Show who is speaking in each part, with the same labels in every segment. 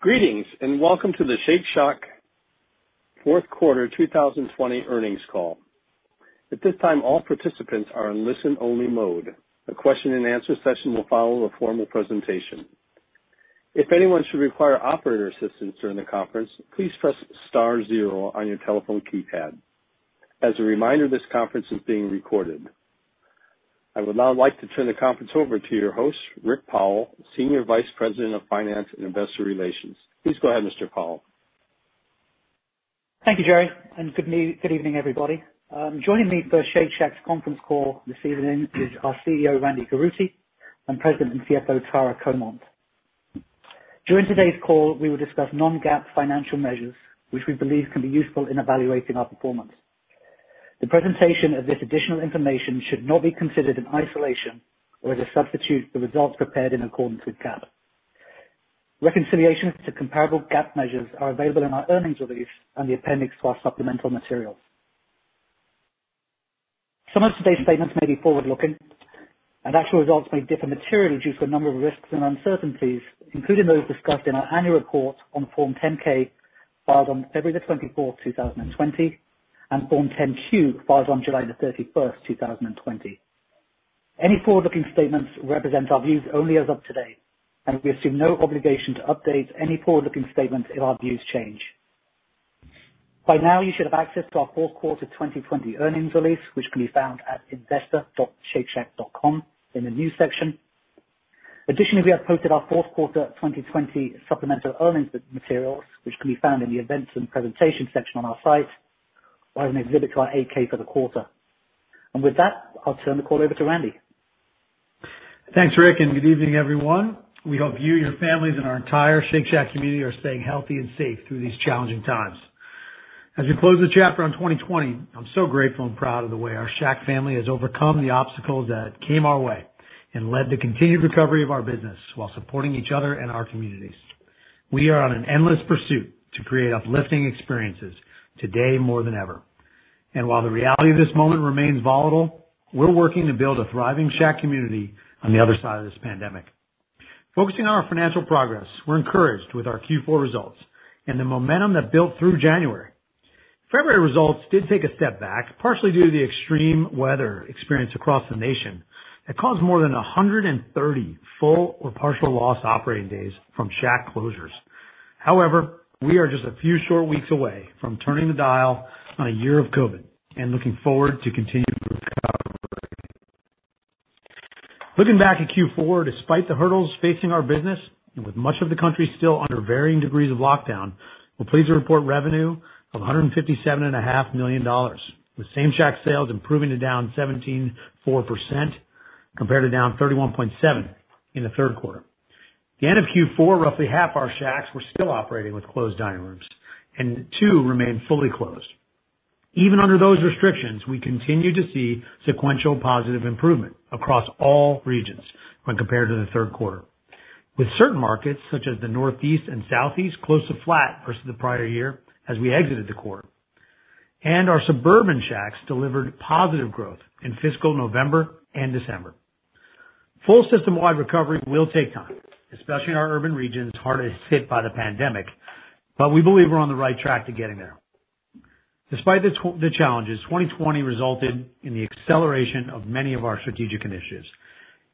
Speaker 1: Greetings, welcome to the Shake Shack fourth quarter 2020 earnings call. At this time, all participants are in listen-only mode. A question-and-answer session will follow the formal presentation. If anyone should require operator assistance during the conference, please press star zero on your telephone keypad. As a reminder, this conference is being recorded. I would now like to turn the conference over to your host, Rik Powell, Senior Vice President of Finance and Investor Relations. Please go ahead, Mr. Powell.
Speaker 2: Thank you, Jerry. Good evening, everybody. Joining me for Shake Shack's conference call this evening is our CEO, Randy Garutti, and President and CFO, Tara Comonte. During today's call, we will discuss non-GAAP financial measures which we believe can be useful in evaluating our performance. The presentation of this additional information should not be considered in isolation or as a substitute for results prepared in accordance with GAAP. Reconciliations to comparable GAAP measures are available in our earnings release and the appendix to our supplemental materials. Some of today's statements may be forward-looking, and actual results may differ materially due to a number of risks and uncertainties, including those discussed in our annual report on Form 10-K, filed on February the twenty-fourth, 2020, and Form 10-Q, filed on July the 31st, 2020. Any forward-looking statements represent our views only as of today, and we assume no obligation to update any forward-looking statements if our views change. By now, you should have access to our fourth quarter 2020 earnings release, which can be found at investor.shakeshack.com in the news section. Additionally, we have posted our fourth quarter 2020 supplemental earnings materials, which can be found in the events and presentation section on our site or as an exhibit to our 8-K for the quarter. With that, I'll turn the call over to Randy.
Speaker 3: Thanks, Rik, and good evening, everyone. We hope you, your families, and our entire Shake Shack community are staying healthy and safe through these challenging times. As we close this chapter on 2020, I'm so grateful and proud of the way our Shack family has overcome the obstacles that came our way and led to continued recovery of our business while supporting each other and our communities. We are on an endless pursuit to create uplifting experiences today more than ever. While the reality of this moment remains volatile, we're working to build a thriving Shack community on the other side of this pandemic. Focusing on our financial progress, we're encouraged with our Q4 results and the momentum that built through January. February results did take a step back, partially due to the extreme weather experienced across the nation that caused more than 130 full or partial loss operating days from Shack closures. However, we are just a few short weeks away from turning the dial on a year of COVID and looking forward to continued recovery. Looking back at Q4, despite the hurdles facing our business and with much of the country still under varying degrees of lockdown, we're pleased to report revenue of $157.5 million, with same-Shack sales improving to down 17.4% compared to down 31.7% in the third quarter. At the end of Q4, roughly half our Shacks were still operating with closed dining rooms, and two remained fully closed. Even under those restrictions, we continued to see sequential positive improvement across all regions when compared to the third quarter. With certain markets, such as the Northeast and Southeast, close to flat versus the prior year as we exited the quarter. Our suburban Shacks delivered positive growth in fiscal November and December. Full system-wide recovery will take time, especially in our urban regions hardest hit by the pandemic, but we believe we're on the right track to getting there. Despite the challenges, 2020 resulted in the acceleration of many of our strategic initiatives,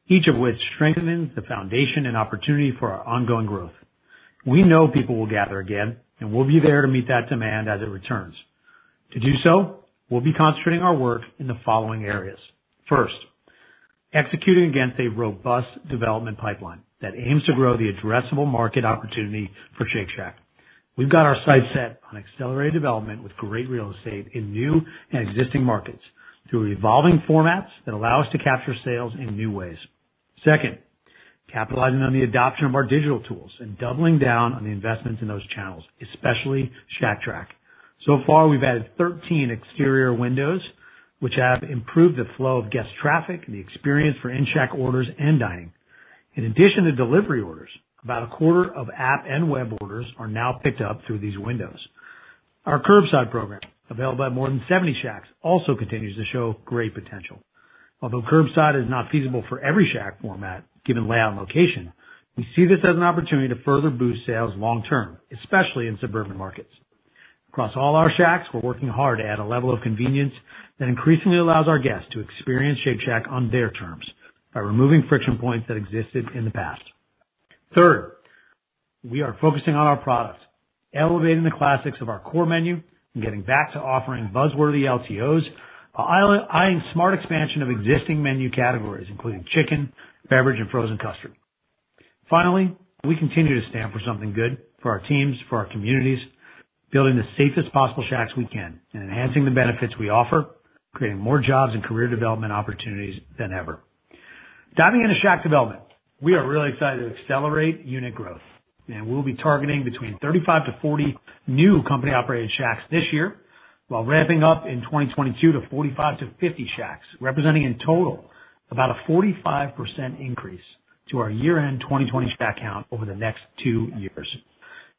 Speaker 3: each of which strengthens the foundation and opportunity for our ongoing growth. We know people will gather again, and we'll be there to meet that demand as it returns. To do so, we'll be concentrating our work in the following areas. First, executing against a robust development pipeline that aims to grow the addressable market opportunity for Shake Shack. We've got our sights set on accelerated development with great real estate in new and existing markets through evolving formats that allow us to capture sales in new ways. Second, capitalizing on the adoption of our digital tools and doubling down on the investments in those channels, especially Shack Track. So far, we've added 13 exterior windows, which have improved the flow of guest traffic and the experience for in-Shack orders and dining. In addition to delivery orders, about a quarter of app and web orders are now picked up through these windows. Our curbside program, available at more than 70 Shacks, also continues to show great potential. Although curbside is not feasible for every Shack format, given layout and location, we see this as an opportunity to further boost sales long term, especially in suburban markets. Across all our Shacks, we're working hard to add a level of convenience that increasingly allows our guests to experience Shake Shack on their terms by removing friction points that existed in the past. Third, we are focusing on our products, elevating the classics of our core menu and getting back to offering buzzworthy LTOs while eyeing smart expansion of existing menu categories, including chicken, beverage, and frozen custard. Finally, we continue to Stand For Something Good for our teams, for our communities, building the safest possible Shacks we can and enhancing the benefits we offer, creating more jobs and career development opportunities than ever. Diving into Shack development, we are really excited to accelerate unit growth, and we'll be targeting between 35-40 new company-operated Shacks this year while ramping up in 2022 to 45-50 Shacks, representing in total about a 45% increase to our year-end 2020 Shack count over the next two years.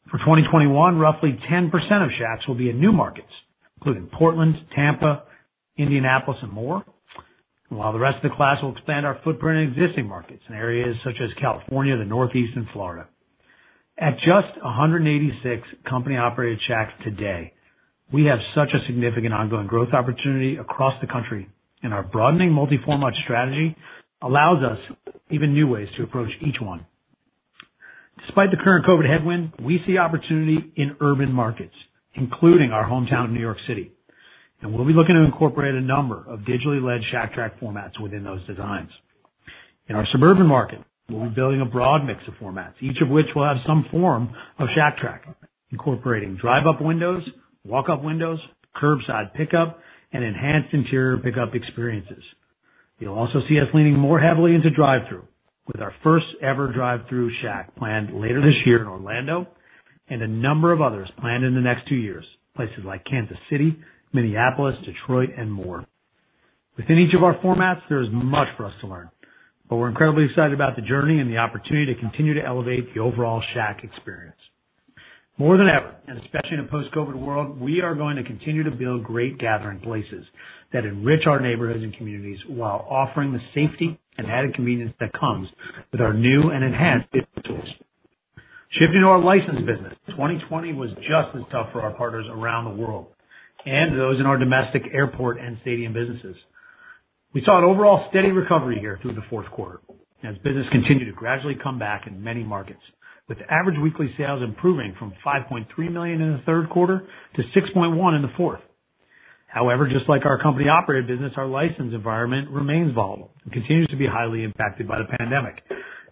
Speaker 3: For 2021, roughly 10% of Shacks will be in new markets, including Portland, Tampa, Indianapolis, and more, while the rest of the class will expand our footprint in existing markets in areas such as California, the Northeast, and Florida. At just 186 company-operated Shacks today, we have such a significant ongoing growth opportunity across the country, and our broadening multi-format strategy allows us even new ways to approach each one. Despite the current COVID headwind, we see opportunity in urban markets, including our hometown, New York City, and we'll be looking to incorporate a number of digitally led Shack Track formats within those designs. In our suburban market, we'll be building a broad mix of formats, each of which will have some form of Shack Track, incorporating drive up windows, walk up windows, curbside pickup, and enhanced interior pickup experiences. You'll also see us leaning more heavily into drive-through with our first ever drive-through Shack planned later this year in Orlando and a number of others planned in the next two years, places like Kansas City, Minneapolis, Detroit, and more. Within each of our formats, there is much for us to learn, but we're incredibly excited about the journey and the opportunity to continue to elevate the overall Shack experience. More than ever, and especially in a post-COVID-19 world, we are going to continue to build great gathering places that enrich our neighborhoods and communities while offering the safety and added convenience that comes with our new and enhanced digital tools. Shifting to our licensed business, 2020 was just as tough for our partners around the world and those in our domestic airport and stadium businesses. We saw an overall steady recovery here through the fourth quarter as business continued to gradually come back in many markets with average weekly sales improving from $5.3 million in the third quarter to $6.1 million in the fourth. However, just like our company operated business, our license environment remains volatile and continues to be highly impacted by the pandemic.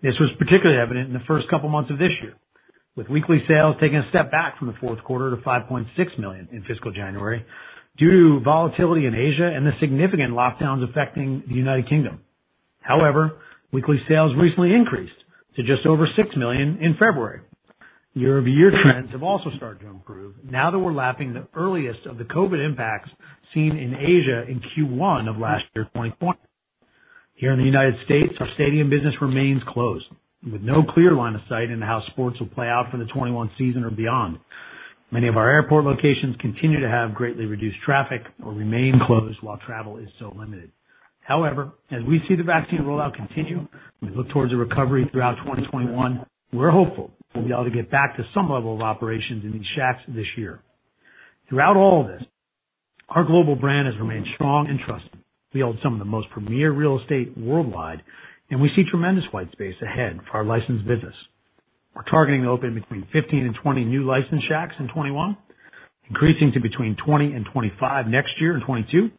Speaker 3: This was particularly evident in the first couple of months of this year, with weekly sales taking a step back from the fourth quarter to $5.6 million in fiscal January due to volatility in Asia and the significant lockdowns affecting the U.K. Weekly sales recently increased to just over $6 million in February. Year-over-year trends have also started to improve now that we're lapping the earliest of the COVID impacts seen in Asia in Q1 of last year, 2020. Here in the U.S., our stadium business remains closed with no clear line of sight into how sports will play out for the 2021 season or beyond. Many of our airport locations continue to have greatly reduced traffic or remain closed while travel is so limited. As we see the vaccine rollout continue, we look towards a recovery throughout 2021. We're hopeful we'll be able to get back to some level of operations in these Shacks this year. Throughout all of this, our global brand has remained strong and trusted. We hold some of the most premier real estate worldwide, and we see tremendous white space ahead for our licensed business. We're targeting to open between 15 and 20 new licensed Shacks in 2021, increasing to between 20 and 25 next year in 2022,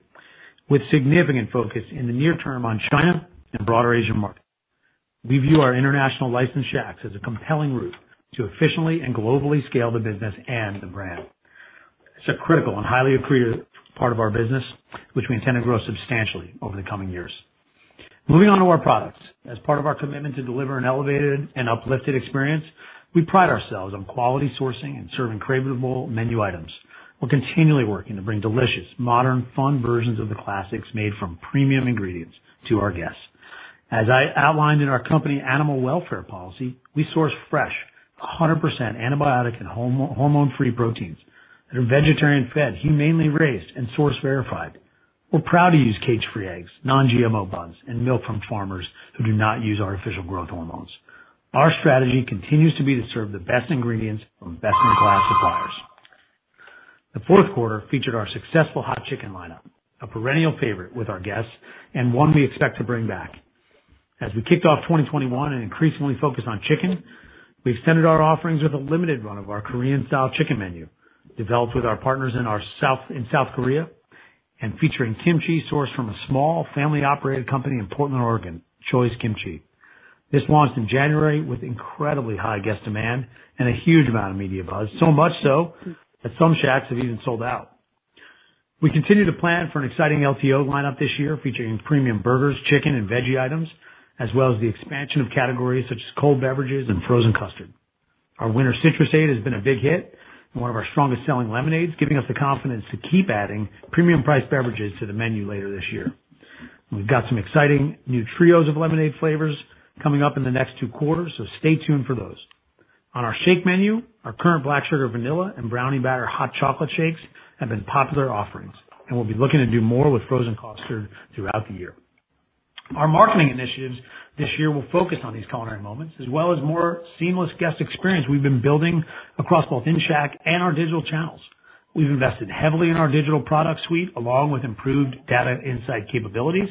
Speaker 3: with significant focus in the near term on China and broader Asian markets. We view our international licensed Shacks as a compelling route to efficiently and globally scale the business and the brand. It's a critical and highly accretive part of our business, which we intend to grow substantially over the coming years. Moving on to our products. As part of our commitment to deliver an elevated and uplifted experience, we pride ourselves on quality sourcing and serving craveable menu items. We're continually working to bring delicious, modern, fun versions of the classics made from premium ingredients to our guests. As I outlined in our company Animal Welfare Policy, we source fresh 100% antibiotic and hormone-free proteins that are vegetarian fed, humanely raised, and source verified. We're proud to use cage-free eggs, non-GMO buns, and milk from farmers who do not use artificial growth hormones. Our strategy continues to be to serve the best ingredients from best in class suppliers. The fourth quarter featured our successful Hot Chicken lineup, a perennial favorite with our guests and one we expect to bring back. As we kicked off 2021 and increasingly focused on chicken, we extended our offerings with a limited run of our Korean-style chicken menu, developed with our partners in South Korea and featuring kimchi sourced from a small family-operated company in Portland, Oregon, Choi's Kimchi. This launched in January with incredibly high guest demand and a huge amount of media buzz. Much so that some Shacks have even sold out. We continue to plan for an exciting LTO lineup this year featuring premium burgers, chicken, and veggie items, as well as the expansion of categories such as cold beverages and frozen custard. Our Winter Citrusade has been a big hit and one of our strongest selling lemonades, giving us the confidence to keep adding premium priced beverages to the menu later this year. We've got some exciting new trios of lemonade flavors coming up in the next two quarters, so stay tuned for those. On our shake menu, our current Black Sugar Vanilla and Brownie Batter Hot Chocolate shakes have been popular offerings, and we'll be looking to do more with frozen custard throughout the year. Our marketing initiatives this year will focus on these culinary moments as well as more seamless guest experience we've been building across both in Shack and our digital channels. We've invested heavily in our digital product suite along with improved data insight capabilities,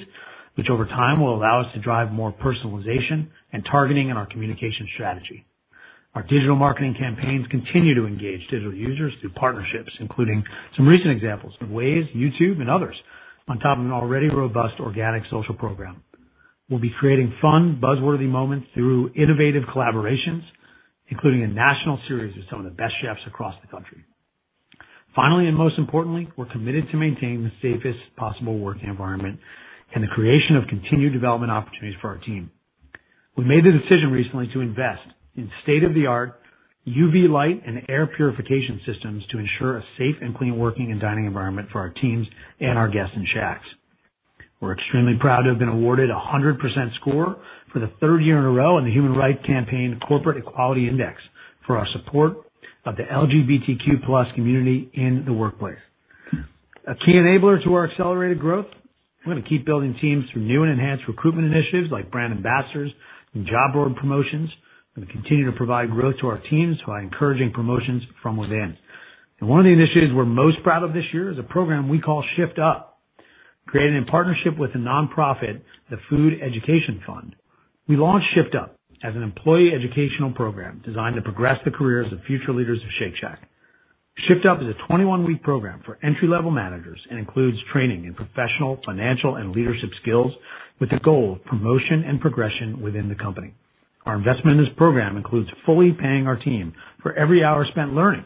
Speaker 3: which over time will allow us to drive more personalization and targeting in our communication strategy. Our digital marketing campaigns continue to engage digital users through partnerships, including some recent examples with Waze, YouTube, and others on top of an already robust organic social program. We'll be creating fun, buzz-worthy moments through innovative collaborations, including a national series with some of the best chefs across the country. Finally, and most importantly, we're committed to maintaining the safest possible working environment and the creation of continued development opportunities for our team. We made the decision recently to invest in state-of-the-art UV light and air purification systems to ensure a safe and clean working and dining environment for our teams and our guests in Shacks. We're extremely proud to have been awarded 100% score for the third year in a row in the Human Rights Campaign Corporate Equality Index for our support of the LGBTQ+ community in the workplace. A key enabler to our accelerated growth, we're going to keep building teams through new and enhanced recruitment initiatives like brand ambassadors and job board promotions. We're going to continue to provide growth to our teams by encouraging promotions from within. One of the initiatives we're most proud of this year is a program we call Shift Up, created in partnership with the nonprofit, The Food Education Fund. We launched Shift Up as an employee educational program designed to progress the careers of future leaders of Shake Shack. Shift Up is a 21-week program for entry level managers and includes training in professional, financial, and leadership skills with the goal of promotion and progression within the company. Our investment in this program includes fully paying our team for every hour spent learning,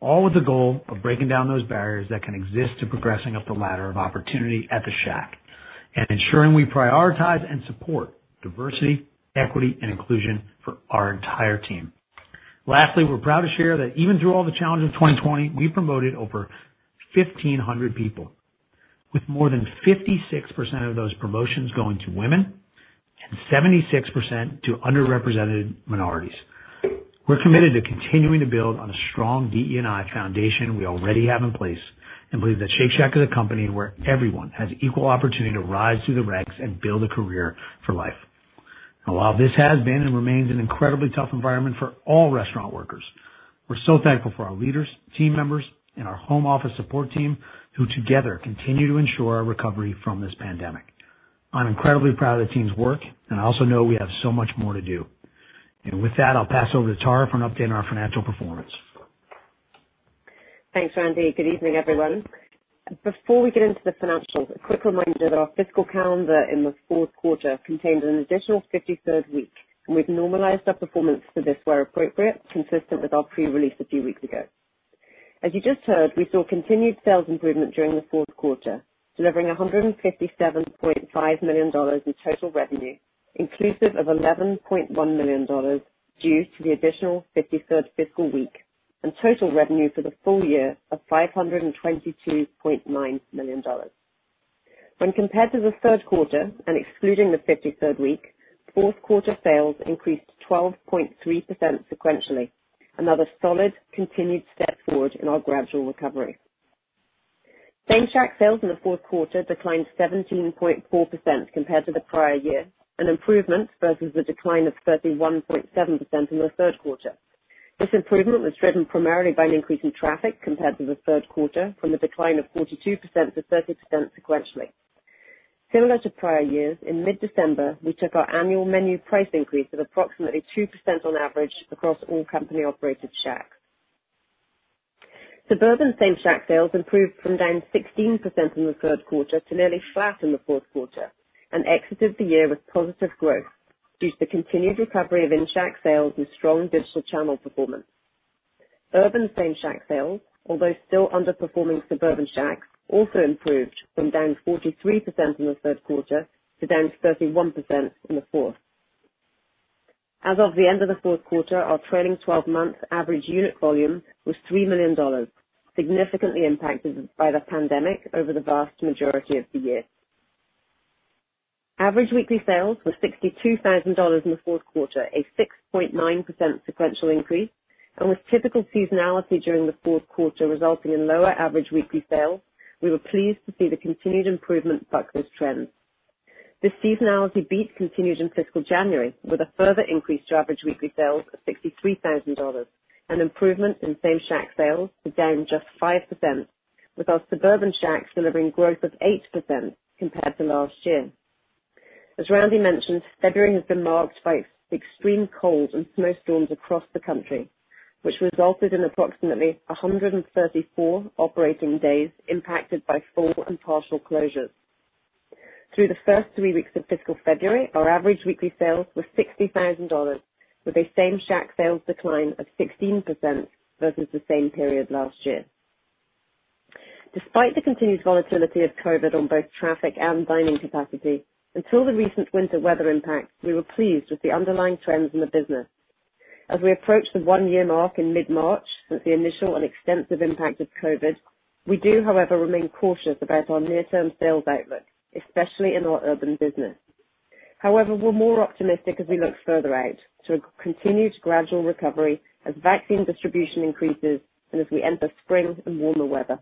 Speaker 3: all with the goal of breaking down those barriers that can exist to progressing up the ladder of opportunity at the Shack, and ensuring we prioritize and support diversity, equity, and inclusion for our entire team. Lastly, we're proud to share that even through all the challenges of 2020, we promoted over 1,500 people, with more than 56% of those promotions going to women and 76% to underrepresented minorities. We're committed to continuing to build on a strong DE&I foundation we already have in place and believe that Shake Shack is a company where everyone has equal opportunity to rise through the ranks and build a career for life. While this has been and remains an incredibly tough environment for all restaurant workers, we're so thankful for our leaders, team members, and our home office support team, who together continue to ensure our recovery from this pandemic. I'm incredibly proud of the team's work, and I also know we have so much more to do. With that, I'll pass over to Tara for an update on our financial performance.
Speaker 4: Thanks, Randy. Good evening, everyone. Before we get into the financials, a quick reminder that our fiscal calendar in the fourth quarter contained an additional 53rd week, and we've normalized our performance for this where appropriate, consistent with our pre-release a few weeks ago. As you just heard, we saw continued sales improvement during the fourth quarter, delivering $157.5 million in total revenue, inclusive of $11.1 million due to the additional 53rd fiscal week and total revenue for the full year of $522.9 million. Compared to the third quarter and excluding the 53rd week, fourth quarter sales increased 12.3% sequentially. Another solid, continued step forward in our gradual recovery. Same-Shack sales in the fourth quarter declined 17.4% compared to the prior year, an improvement versus the decline of 31.7% in the third quarter. This improvement was driven primarily by an increase in traffic compared to the third quarter, from a decline of 42% to 30% sequentially. Similar to prior years, in mid-December, we took our annual menu price increase of approximately 2% on average across all company-operated Shacks. Suburban Same-Shack sales improved from down 16% in the third quarter to nearly flat in the fourth quarter and exited the year with positive growth due to continued recovery of in-Shack sales and strong digital channel performance. Urban Same-Shack sales, although still underperforming suburban Shacks, also improved from down 43% in the third quarter to down 31% in the fourth. As of the end of the fourth quarter, our trailing 12-month average unit volume was $3 million, significantly impacted by the pandemic over the vast majority of the year. Average weekly sales were $62,000 in the fourth quarter, a 6.9% sequential increase, and with typical seasonality during the fourth quarter resulting in lower average weekly sales, we were pleased to see the continued improvement buck those trends. The seasonality beat continued in fiscal January with a further increase to average weekly sales of $63,000, an improvement in same-Shack sales was down just 5%, with our suburban Shacks delivering growth of 8% compared to last year. As Randy mentioned, February has been marked by extreme cold and snowstorms across the country, which resulted in approximately 134 operating days impacted by full and partial closures. Through the first three weeks of fiscal February, our average weekly sales were $60,000, with a same-Shack sales decline of 16% versus the same period last year. Despite the continued volatility of COVID-19 on both traffic and dining capacity, until the recent winter weather impacts, we were pleased with the underlying trends in the business. As we approach the one-year mark in mid-March since the initial and extensive impact of COVID-19, we do, however, remain cautious about our near-term sales outlook, especially in our urban business. We're more optimistic as we look further out to a continued gradual recovery as vaccine distribution increases and as we enter spring and warmer weather.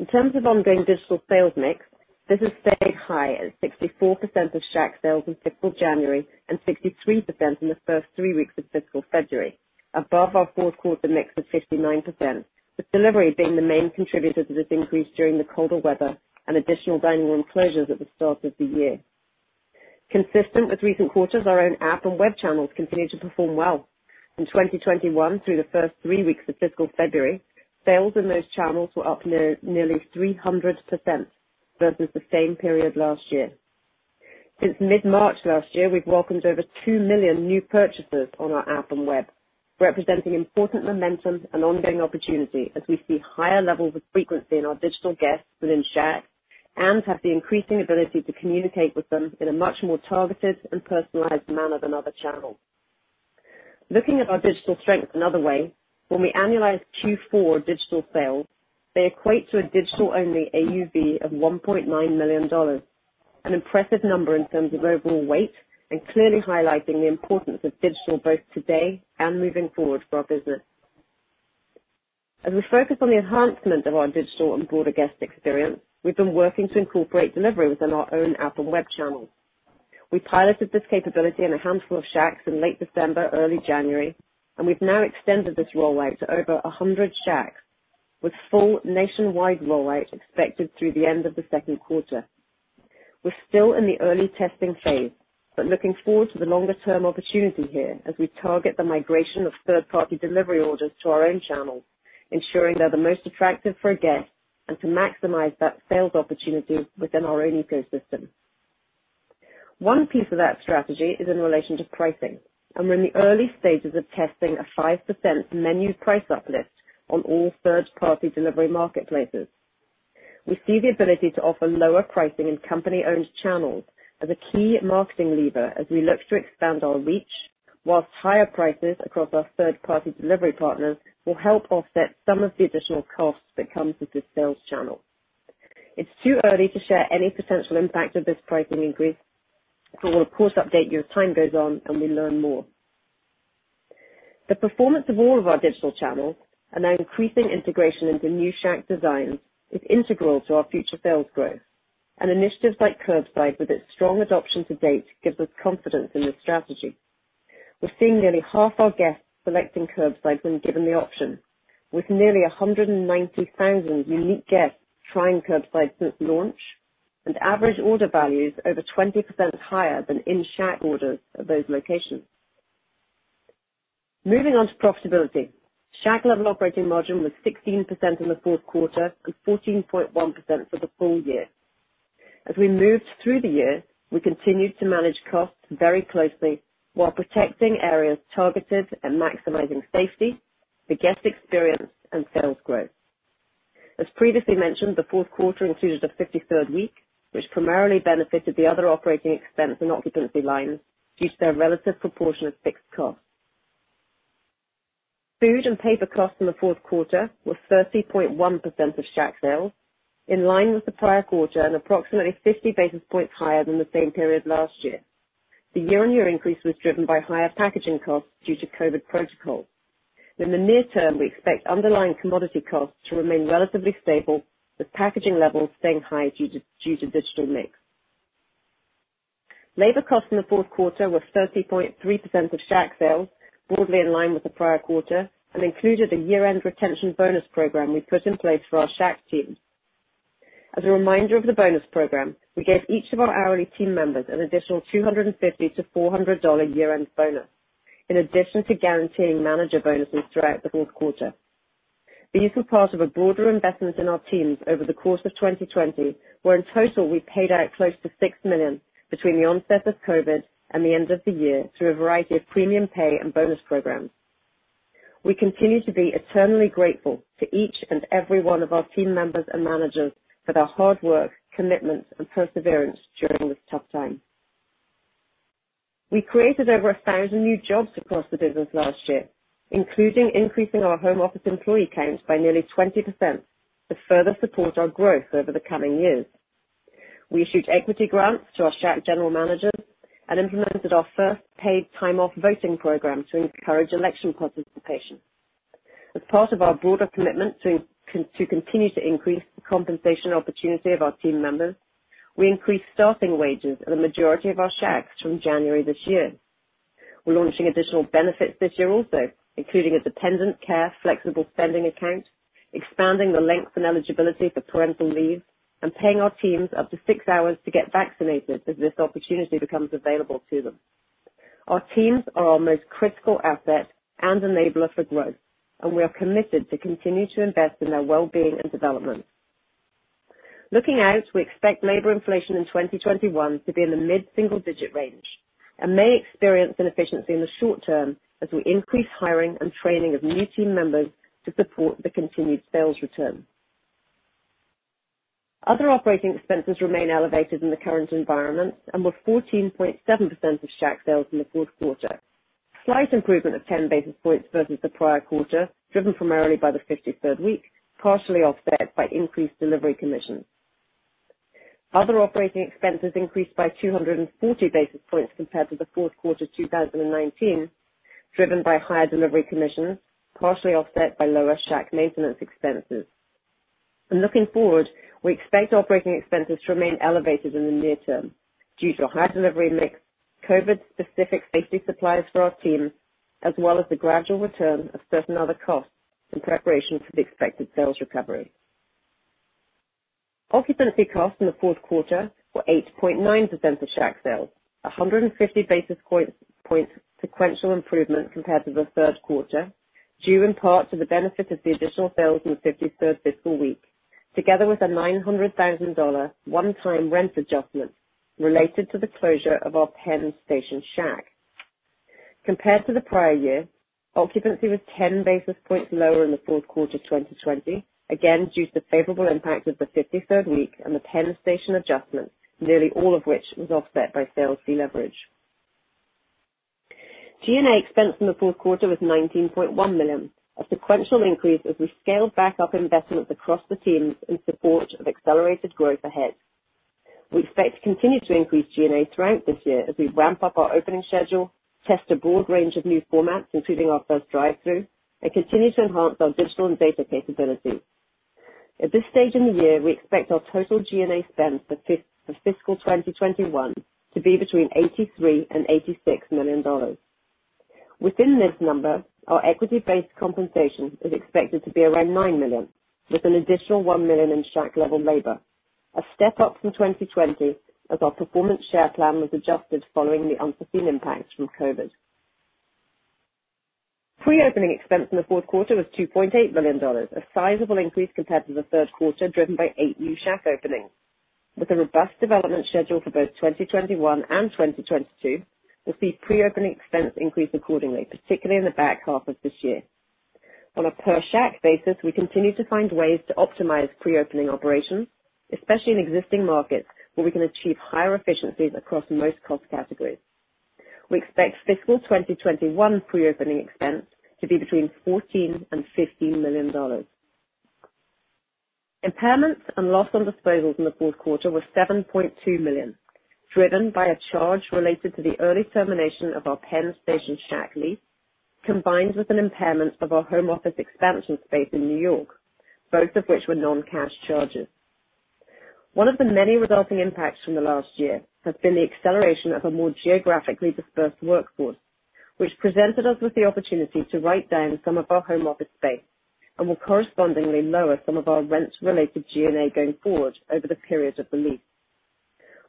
Speaker 4: In terms of ongoing digital sales mix, this has stayed high at 64% of Shack sales in fiscal January and 63% in the first three weeks of fiscal February, above our fourth quarter mix of 59%, with delivery being the main contributor to this increase during the colder weather and additional dining room closures at the start of the year. Consistent with recent quarters, our own app and web channels continue to perform well. In 2021, through the first three weeks of fiscal February, sales in those channels were up nearly 300% versus the same period last year. Since mid-March last year, we've welcomed over 2 million new purchasers on our app and web, representing important momentum and ongoing opportunity as we see higher levels of frequency in our digital guests within Shack and have the increasing ability to communicate with them in a much more targeted and personalized manner than other channels. Looking at our digital strength another way, when we annualize Q4 digital sales, they equate to a digital-only AUV of $1.9 million. An impressive number in terms of overall weight, and clearly highlighting the importance of digital both today and moving forward for our business. As we focus on the enhancement of our digital and broader guest experience, we've been working to incorporate delivery within our own app and web channels. We piloted this capability in a handful of Shacks in late December, early January, and we've now extended this rollout to over 100 Shacks, with full nationwide rollout expected through the end of the second quarter. We're still in the early testing phase, but looking forward to the longer-term opportunity here as we target the migration of third-party delivery orders to our own channels, ensuring they're the most attractive for a guest, and to maximize that sales opportunity within our own ecosystem. One piece of that strategy is in relation to pricing, and we're in the early stages of testing a 5% menu price uplift on all third-party delivery marketplaces. We see the ability to offer lower pricing in company-owned channels as a key marketing lever as we look to expand our reach, whilst higher prices across our third-party delivery partners will help offset some of the additional costs that come with this sales channel. It's too early to share any potential impact of this pricing increase, but we'll of course update you as time goes on and we learn more. The performance of all of our digital channels and our increasing integration into new Shack designs is integral to our future sales growth, and initiatives like curbside, with its strong adoption to date, gives us confidence in this strategy. We're seeing nearly half our guests selecting curbside when given the option, with nearly 190,000 unique guests trying curbside since launch, and average order values over 20% higher than in-Shack orders at those locations. Moving on to profitability. Shack level operating margin was 16% in the fourth quarter and 14.1% for the full year. As we moved through the year, we continued to manage costs very closely while protecting areas targeted and maximizing safety, the guest experience, and sales growth. As previously mentioned, the fourth quarter included a 53rd week, which primarily benefited the other operating expense and occupancy lines due to their relative proportion of fixed costs. Food and paper costs in the fourth quarter were 30.1% of Shack sales, in line with the prior quarter and approximately 50 basis points higher than the same period last year. The year-on-year increase was driven by higher packaging costs due to COVID protocols. In the near term, we expect underlying commodity costs to remain relatively stable, with packaging levels staying high due to digital mix. Labor costs in the fourth quarter were 30.3% of Shack sales, broadly in line with the prior quarter, and included a year-end retention bonus program we put in place for our Shack team. As a reminder of the bonus program, we gave each of our hourly team members an additional $250 to $400 year-end bonus, in addition to guaranteeing manager bonuses throughout the fourth quarter. These were part of a broader investment in our teams over the course of 2020, where in total, we paid out close to $6 million between the onset of COVID and the end of the year through a variety of premium pay and bonus programs. We continue to be eternally grateful to each and every one of our team members and managers for their hard work, commitment, and perseverance during this tough time. We created over 1,000 new jobs across the business last year, including increasing our home office employee count by nearly 20% to further support our growth over the coming years. We issued equity grants to our Shack general managers and implemented our first paid time-off voting program to encourage election participation. As part of our broader commitment to continue to increase the compensation opportunity of our team members, we increased starting wages at a majority of our Shacks from January this year. We're launching additional benefits this year also, including a dependent care flexible spending account, expanding the length and eligibility for parental leave, and paying our teams up to six hours to get vaccinated as this opportunity becomes available to them. Our teams are our most critical asset and enabler for growth, and we are committed to continue to invest in their well-being and development. Looking out, we expect labor inflation in 2021 to be in the mid-single digit range and may experience inefficiency in the short term as we increase hiring and training of new team members to support the continued sales return. Other operating expenses remain elevated in the current environment and were 14.7% of Shack sales in the fourth quarter. Slight improvement of 10 basis points versus the prior quarter, driven primarily by the 53rd week, partially offset by increased delivery commissions. Other operating expenses increased by 240 basis points compared to the fourth quarter 2019, driven by higher delivery commissions, partially offset by lower Shack maintenance expenses. Looking forward, we expect operating expenses to remain elevated in the near term due to a higher delivery mix, COVID-specific safety supplies for our team, as well as the gradual return of certain other costs in preparation for the expected sales recovery. Occupancy costs in the fourth quarter were 8.9% of Shack sales, 150 basis points sequential improvement compared to the third quarter, due in part to the benefit of the additional sales in the 53rd fiscal week, together with a $900,000 one-time rent adjustment related to the closure of our Penn Station Shack. Compared to the prior year, occupancy was 10 basis points lower in the fourth quarter 2020, again, due to the favorable impact of the 53rd week and the Penn Station adjustment, nearly all of which was offset by sales deleverage. G&A expense in the fourth quarter was $19.1 million, a sequential increase as we scaled back up investments across the teams in support of accelerated growth ahead. We expect to continue to increase G&A throughout this year as we ramp up our opening schedule, test a broad range of new formats, including our first drive-through, and continue to enhance our digital and data capabilities. At this stage in the year, we expect our total G&A expense for fiscal 2021 to be between $83 million and $86 million. Within this number, our equity-based compensation is expected to be around $9 million, with an additional $1 million in Shack level labor, a step-up from 2020 as our performance share plan was adjusted following the unforeseen impacts from COVID. Pre-opening expense in the fourth quarter was $2.8 million, a sizable increase compared to the third quarter, driven by eight new Shack openings. With a robust development schedule for both 2021 and 2022, we'll see pre-opening expense increase accordingly, particularly in the back half of this year. On a per Shack basis, we continue to find ways to optimize pre-opening operations, especially in existing markets where we can achieve higher efficiencies across most cost categories. We expect fiscal 2021 pre-opening expense to be between $14 million and $15 million. Impairments and loss on disposals in the fourth quarter were $7.2 million, driven by a charge related to the early termination of our Penn Station Shack lease, combined with an impairment of our home office expansion space in New York, both of which were non-cash charges. One of the many resulting impacts from the last year has been the acceleration of a more geographically dispersed workforce, which presented us with the opportunity to write down some of our home office space, and will correspondingly lower some of our rent-related G&A going forward over the period of the lease.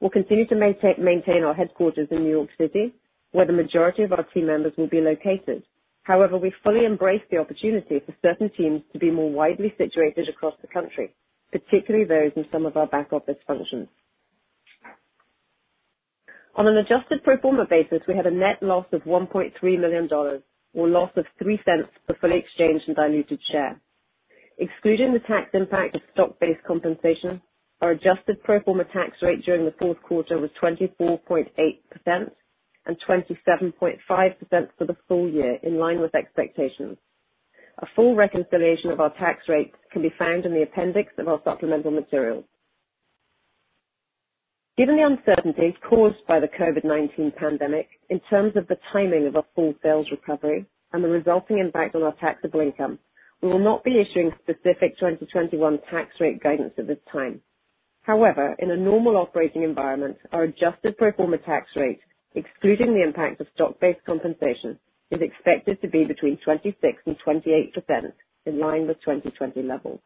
Speaker 4: We'll continue to maintain our headquarters in New York City, where the majority of our team members will be located. However, we fully embrace the opportunity for certain teams to be more widely situated across the country, particularly those in some of our back office functions. On an adjusted pro forma basis, we had a net loss of $1.3 million or loss of $0.03 per fully exchanged and diluted share. Excluding the tax impact of stock-based compensation, our adjusted pro forma tax rate during the fourth quarter was 24.8% and 27.5% for the full year, in line with expectations. A full reconciliation of our tax rate can be found in the appendix of our supplemental materials. Given the uncertainties caused by the COVID-19 pandemic in terms of the timing of a full sales recovery and the resulting impact on our taxable income, we will not be issuing specific 2021 tax rate guidance at this time. However, in a normal operating environment, our adjusted pro forma tax rate, excluding the impact of stock-based compensation, is expected to be between 26% and 28%, in line with 2020 levels.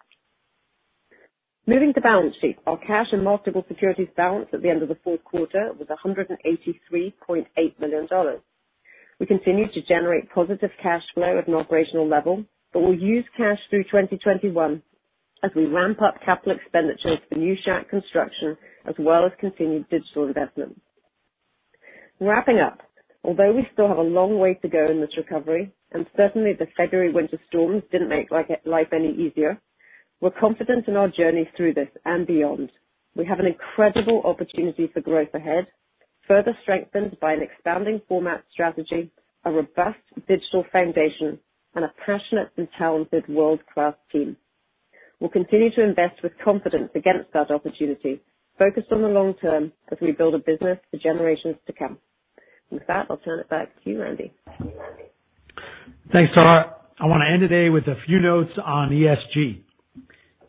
Speaker 4: Moving to balance sheet, our cash and marketable securities balance at the end of the fourth quarter was $183.8 million. We continue to generate positive cash flow at an operational level, but will use cash through 2021 as we ramp up capital expenditures for new Shack construction as well as continued digital investments. Wrapping up, although we still have a long way to go in this recovery, and certainly the February winter storms didn't make life any easier, we're confident in our journey through this and beyond. We have an incredible opportunity for growth ahead, further strengthened by an expanding format strategy, a robust digital foundation, and a passionate and talented world-class team. We'll continue to invest with confidence against that opportunity, focused on the long term as we build a business for generations to come. With that, I'll turn it back to you, Randy.
Speaker 3: Thanks, Tara. I want to end today with a few notes on ESG.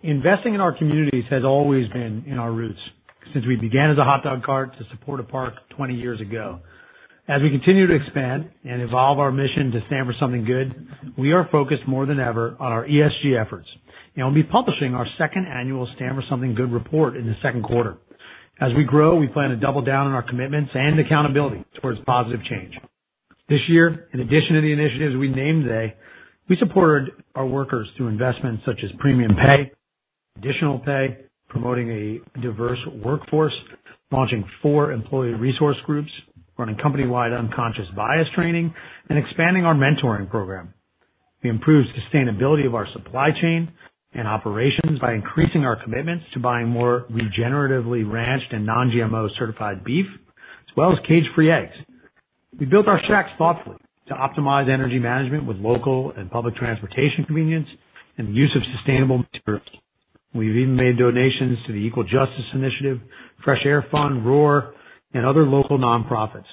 Speaker 3: Investing in our communities has always been in our roots since we began as a hotdog cart to support a park 20 years ago. As we continue to expand and evolve our mission to Stand for Something Good, we are focused more than ever on our ESG efforts, and we'll be publishing our second annual Stand for Something Good report in the second quarter. As we grow, we plan to double down on our commitments and accountability towards positive change. This year, in addition to the initiatives we named today, we supported our workers through investments such as premium pay, additional pay, promoting a diverse workforce, launching four employee resource groups, running company-wide unconscious bias training, and expanding our mentoring program. We improved sustainability of our supply chain and operations by increasing our commitments to buying more regeneratively ranched and non-GMO certified beef, as well as cage-free eggs. We built our Shacks thoughtfully to optimize energy management with local and public transportation convenience and the use of sustainable materials. We've even made donations to the Equal Justice Initiative, Fresh Air Fund, ROAR, and other local nonprofits.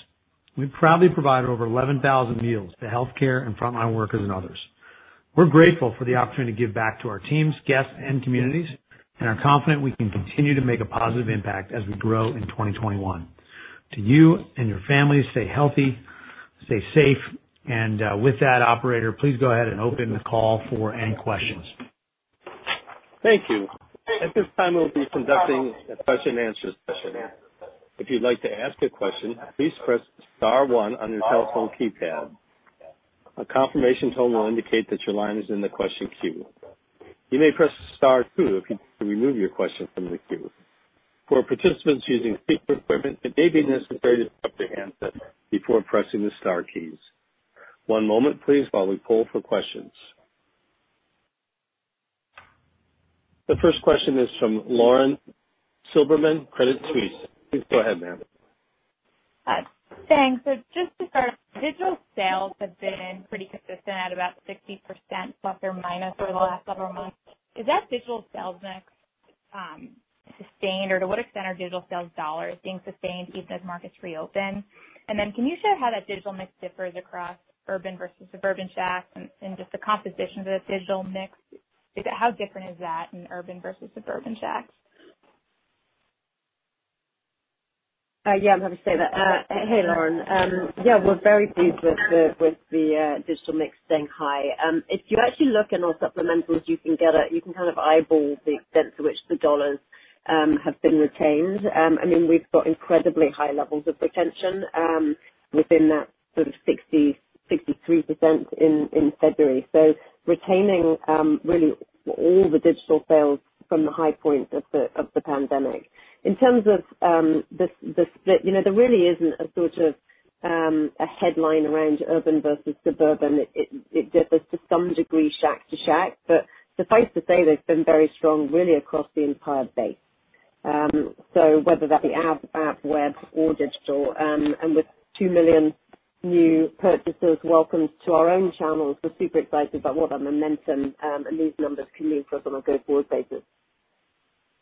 Speaker 3: We proudly provided over 11,000 meals to healthcare and frontline workers, and others. We're grateful for the opportunity to give back to our teams, guests, and communities, and are confident we can continue to make a positive impact as we grow in 2021. To you and your families, stay healthy, stay safe, and, with that, Operator, please go ahead and open the call for any questions.
Speaker 1: Thank you. At this time, we'll be conducting a question-and-answer session. If you'd like to ask a question, please press star one on your telephone keypad. A confirmation tone will indicate that your line is in the question queue. You may press star two if you'd like to remove your question from the queue. For participants using speaker equipment, it may be necessary to press the handset before pressing the star keys. One moment please, while we poll for questions. The first question is from Lauren Silberman, Credit Suisse. Please go ahead, ma'am.
Speaker 5: Thanks. Just to start, digital sales have been pretty consistent at about 60% ±, over the last several months. Is that digital sales mix, sustained, or to what extent are digital sales dollars being sustained even as markets reopen? Then can you share how that digital mix differs across urban versus suburban Shacks and just the composition of the digital mix? How different is that in urban versus suburban Shacks?
Speaker 4: Yeah. Hey, Lauren. Yeah, we're very pleased with the digital mix staying high. If you actually look in our supplementals, you can kind of eyeball the extent to which the dollars have been retained. We've got incredibly high levels of retention, within that sort of 60%, 63% in February. Retaining really all the digital sales from the high point of the pandemic. In terms of the split, there really isn't a sort of headline around urban versus suburban. It differs to some degree Shack to Shack, but suffice to say, they've been very strong really across the entire base. Whether that be app, web or digital. With 2 million new purchasers welcomed to our own channels, we're super excited about what that momentum, and these numbers can mean for us on a go-forward basis.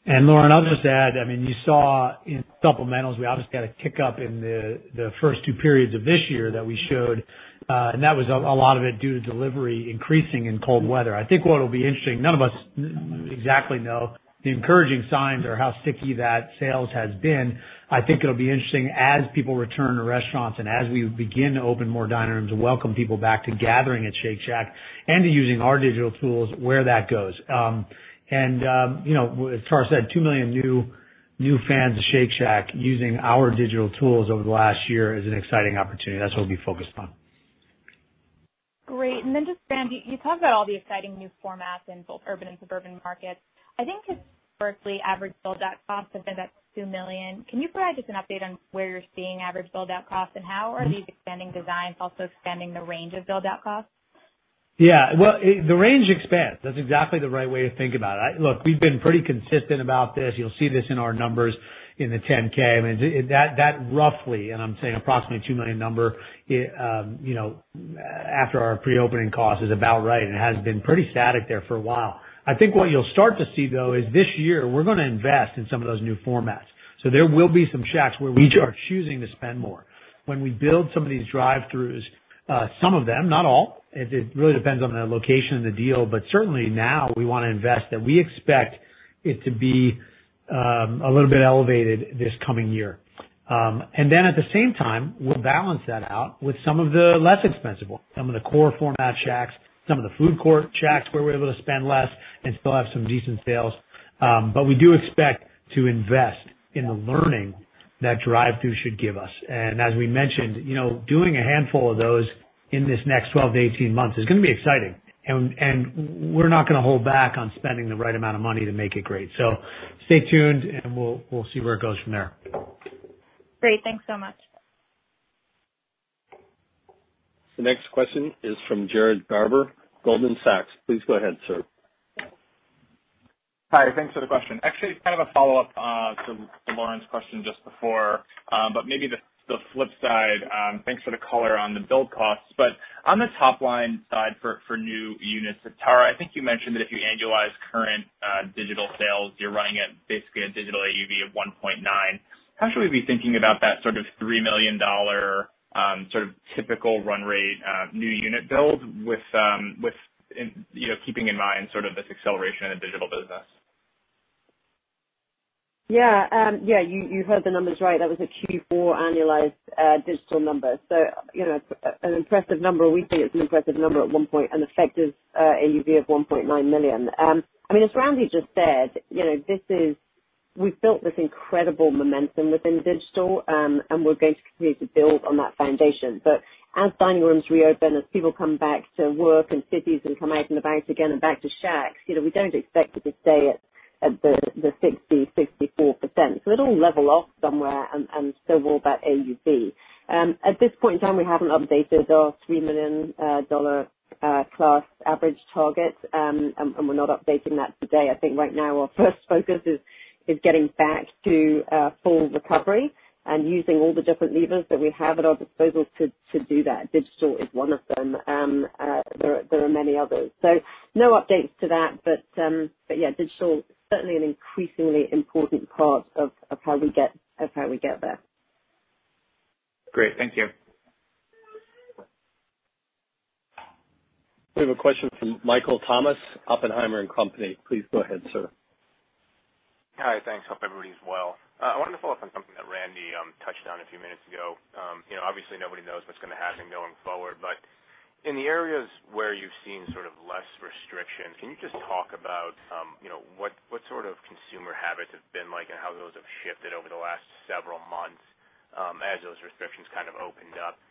Speaker 3: Lauren, I'll just add, you saw in supplementals, we obviously got a kick up in the first two periods of this year that we showed. That was a lot of it due to delivery increasing in cold weather. I think what'll be interesting, none of us exactly know the encouraging signs or how sticky that sales has been. I think it'll be interesting as people return to restaurants and as we begin to open more dining rooms and welcome people back to gathering at Shake Shack, and to using our digital tools, where that goes. As Tara said, 2 million new fans of Shake Shack using our digital tools over the last year is an exciting opportunity. That's what we'll be focused on.
Speaker 5: Great. Just, Randy, you talked about all the exciting new formats in both urban and suburban markets. I think historically, average build-out costs have been about $2 million. Can you provide just an update on where you're seeing average build-out costs, and how are these expanding designs also expanding the range of build-out costs?
Speaker 3: Well, the range expands. That's exactly the right way to think about it. Look, we've been pretty consistent about this. You'll see this in our numbers in the 10-K. That roughly, and I'm saying approximate $2 million number, after our pre-opening cost is about right, and has been pretty static there for a while. I think what you'll start to see, though, is this year, we're gonna invest in some of those new formats. There will be some Shacks where we are choosing to spend more. When we build some of these drive-throughs, some of them, not all, it really depends on the location and the deal, but certainly now we want to invest, that we expect it to be a little bit elevated this coming year. At the same time, we'll balance that out with some of the less expensive ones. Some of the core format Shacks, some of the food court Shacks where we're able to spend less and still have some decent sales. We do expect to invest in the learning that drive-through should give us. As we mentioned, doing a handful of those in this next 12-18 months is gonna be exciting. We're not gonna hold back on spending the right amount of money to make it great. Stay tuned and we'll see where it goes from there.
Speaker 5: Great. Thanks so much.
Speaker 1: The next question is from Jared Garber, Goldman Sachs. Please go ahead, sir.
Speaker 6: Hi. Thanks for the question. Actually, kind of a follow-up to Lauren's question just before, but maybe the flip side. Thanks for the color on the build costs. On the top-line side for new units, Tara, I think you mentioned that if you annualize current digital sales, you're running at basically a digital AUV of $1.9 million. How should we be thinking about that sort of $3 million typical run rate new unit build, keeping in mind this acceleration in the digital business?
Speaker 4: Yeah. You heard the numbers right. That was a Q4 annualized digital number. An impressive number. We think it's an impressive number at one point, an effective AUV of $1.9 million. As Randy just said, we've built this incredible momentum within digital, and we're going to continue to build on that foundation. As dining rooms reopen, as people come back to work in cities and come out and about again and back to Shacks, we don't expect it to stay at the 60%-64%. It'll level off somewhere and settle that AUV. At this point in time, we haven't updated our $3 million class average target, and we're not updating that today. I think right now our first focus is getting back to full recovery and using all the different levers that we have at our disposal to do that. Digital is one of them. There are many others. No updates to that, but yeah, digital, certainly an increasingly important part of how we get there.
Speaker 6: Great. Thank you.
Speaker 1: We have a question from Michael Tamas, Oppenheimer & Company. Please go ahead, sir.
Speaker 7: Hi, thanks. Hope everybody's well. I wanted to follow up on something that Randy touched on a few minutes ago. Obviously, nobody knows what's gonna happen going forward, but in the areas where you've seen less restriction, can you just talk about what sort of consumer habits have been like, and how those have shifted over the last several months as those restrictions kind of opened up?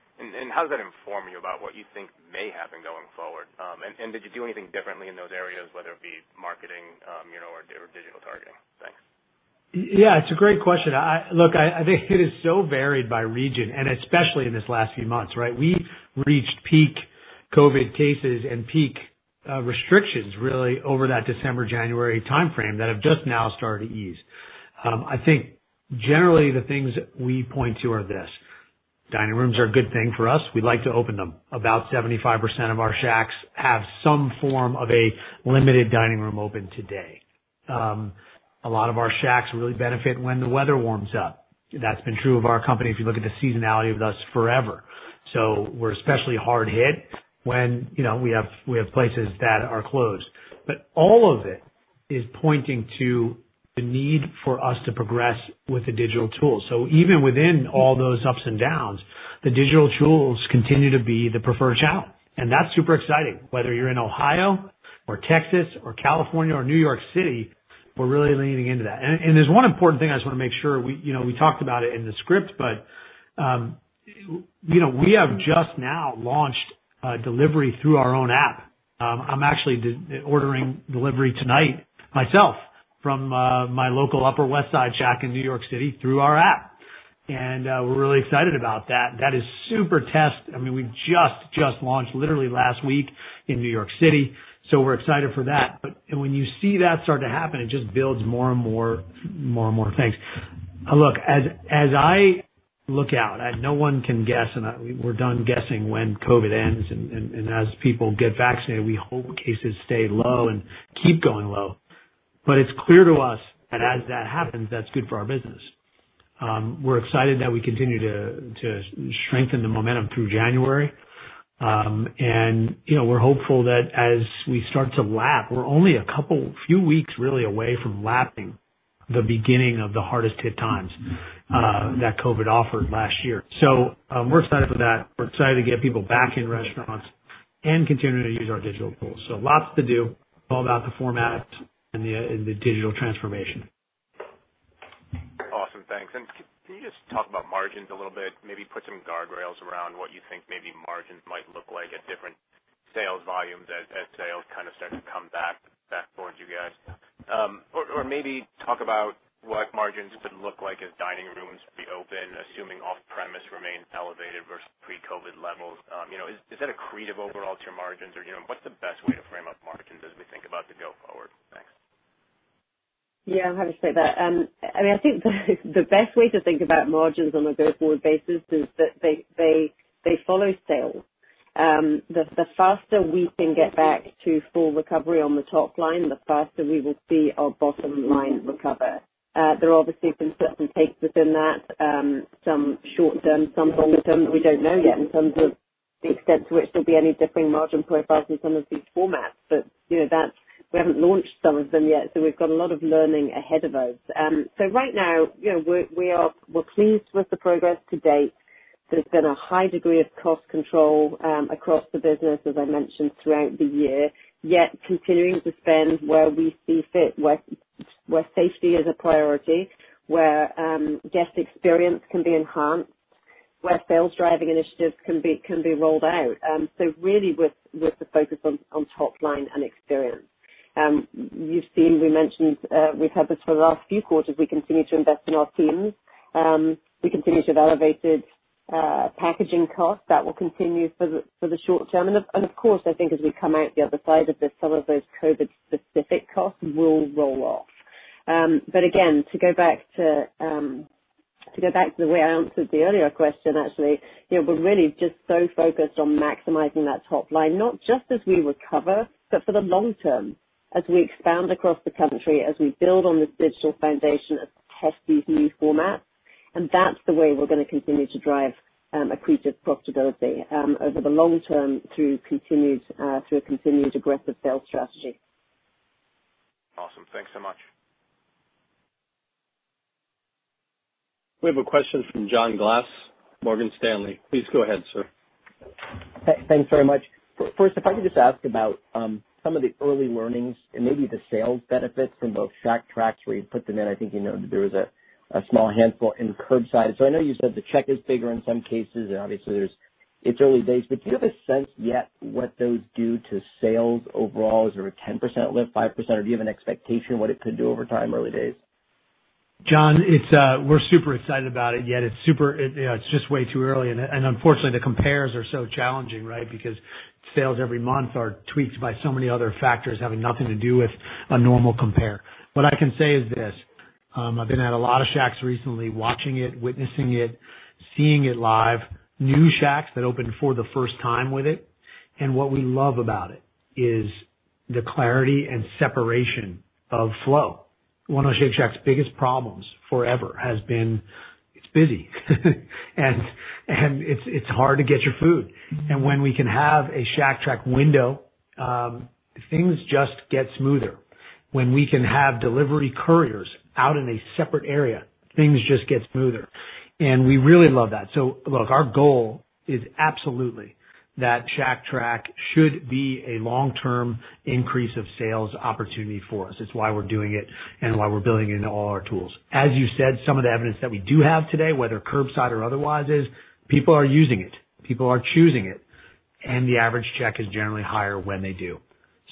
Speaker 7: How does that inform you about what you think may happen going forward? Did you do anything differently in those areas, whether it be marketing or digital targeting? Thanks.
Speaker 3: Yeah, it's a great question. Look, I think it is so varied by region, and especially in these last few months, right? We reached peak COVID-19 cases and peak restrictions really over that December-January timeframe that have just now started to ease. I think generally the things that we point to are this. Dining rooms are a good thing for us. We like to open them. About 75% of our Shacks have some form of a limited dining room open today. A lot of our Shacks really benefit when the weather warms up. That's been true of our company if you look at the seasonality with us forever. All of it is pointing to the need for us to progress with the digital tools. Even within all those ups and downs, the digital tools continue to be the preferred channel, and that's super exciting. Whether you're in Ohio or Texas or California or New York City, we're really leaning into that. There's one important thing I just want to make sure, we talked about it in the script, but we have just now launched delivery through our own app. I'm actually ordering delivery tonight myself from my local Upper West Side Shack in New York City through our app. We're really excited about that. That is super. We just launched literally last week in New York City, so we're excited for that. When you see that start to happen, it just builds more and more things. Look, as I look out, no one can guess, and we're done guessing when COVID ends, and as people get vaccinated, we hope cases stay low and keep going low. It's clear to us that as that happens, that's good for our business. We're excited that we continue to strengthen the momentum through January. We're hopeful that as we start to lap, we're only a few weeks really away from lapping the beginning of the hardest hit times that COVID offered last year. We're excited for that. We're excited to get people back in restaurants and continuing to use our digital tools. Lots to do about the format and the digital transformation.
Speaker 7: Awesome. Thanks. Can you just talk about margins a little bit, maybe put some guardrails around what you think maybe margins might look like at different sales volumes as sales kind of start to come back towards you guys? Or maybe talk about what margins would look like if dining rooms reopen, assuming off-premise remains elevated versus pre-COVID levels. Is that accretive overall to your margins, or what's the best way to frame up margins as we think about the go forward? Thanks.
Speaker 4: Yeah, I'm happy to say that. I think the best way to think about margins on a go forward basis is that they follow sales. The faster we can get back to full recovery on the top line, the faster we will see our bottom line recover. There obviously have been certain takes within that, some short term, some long term, we don't know yet in terms of the extent to which there'll be any differing margin profiles in some of these formats. We haven't launched some of them yet, so we've got a lot of learning ahead of us. Right now, we're pleased with the progress to date. There's been a high degree of cost control across the business, as I mentioned, throughout the year, yet continuing to spend where we see fit, where safety is a priority, where guest experience can be enhanced, where sales-driving initiatives can be rolled out. Really with the focus on top line and experience. You've seen, we mentioned, we've had this for the last few quarters, we continue to invest in our teams. We continue to have elevated packaging costs. That will continue for the short term. Of course, I think as we come out the other side of this, some of those COVID specific costs will roll off. Again, to go back to the way I answered the earlier question, actually, we're really just so focused on maximizing that top line, not just as we recover, but for the long term as we expand across the country, as we build on this digital foundation and test these new formats. That's the way we're going to continue to drive accretive profitability over the long term through a continued aggressive sales strategy.
Speaker 7: Awesome. Thanks so much.
Speaker 1: We have a question from John Glass, Morgan Stanley. Please go ahead, sir.
Speaker 8: Thanks very much. First, if I could just ask about some of the early learnings and maybe the sales benefits in both Shack Track where you put them in. I think you noted there was a small handful in curbside. I know you said the check is bigger in some cases, and obviously it's early days, but do you have a sense yet what those do to sales overall? Is there a 10% lift, 5%? Do you have an expectation what it could do over time, early days?
Speaker 3: John, we're super excited about it, yet it's just way too early, unfortunately, the compares are so challenging, right? Sales every month are tweaked by so many other factors having nothing to do with a normal compare. What I can say is this. I've been at a lot of Shacks recently, watching it, witnessing it, seeing it live. New Shacks that opened for the first time with it. What we love about it is the clarity and separation of flow. One of Shake Shack's biggest problems forever has been it's busy and it's hard to get your food. When we can have a Shack Track window, things just get smoother. When we can have delivery couriers out in a separate area, things just get smoother. We really love that. Look, our goal is absolutely that Shack Track should be a long-term increase of sales opportunity for us. It's why we're doing it and why we're building it into all our tools. As you said, some of the evidence that we do have today, whether curbside or otherwise, is people are using it, people are choosing it, and the average check is generally higher when they do.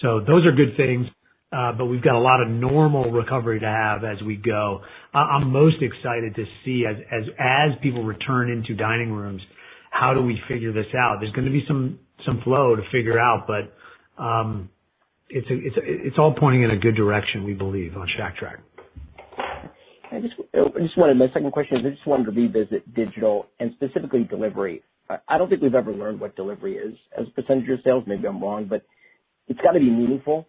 Speaker 3: Those are good things, but we've got a lot of normal recovery to have as we go. I'm most excited to see as people return into dining rooms, how do we figure this out? There's going to be some flow to figure out, but it's all pointing in a good direction, we believe, on Shack Track.
Speaker 8: My second question is, I just wanted to revisit digital and specifically delivery. I don't think we've ever learned what delivery is as a percentage of sales. Maybe I'm wrong, it's got to be meaningful,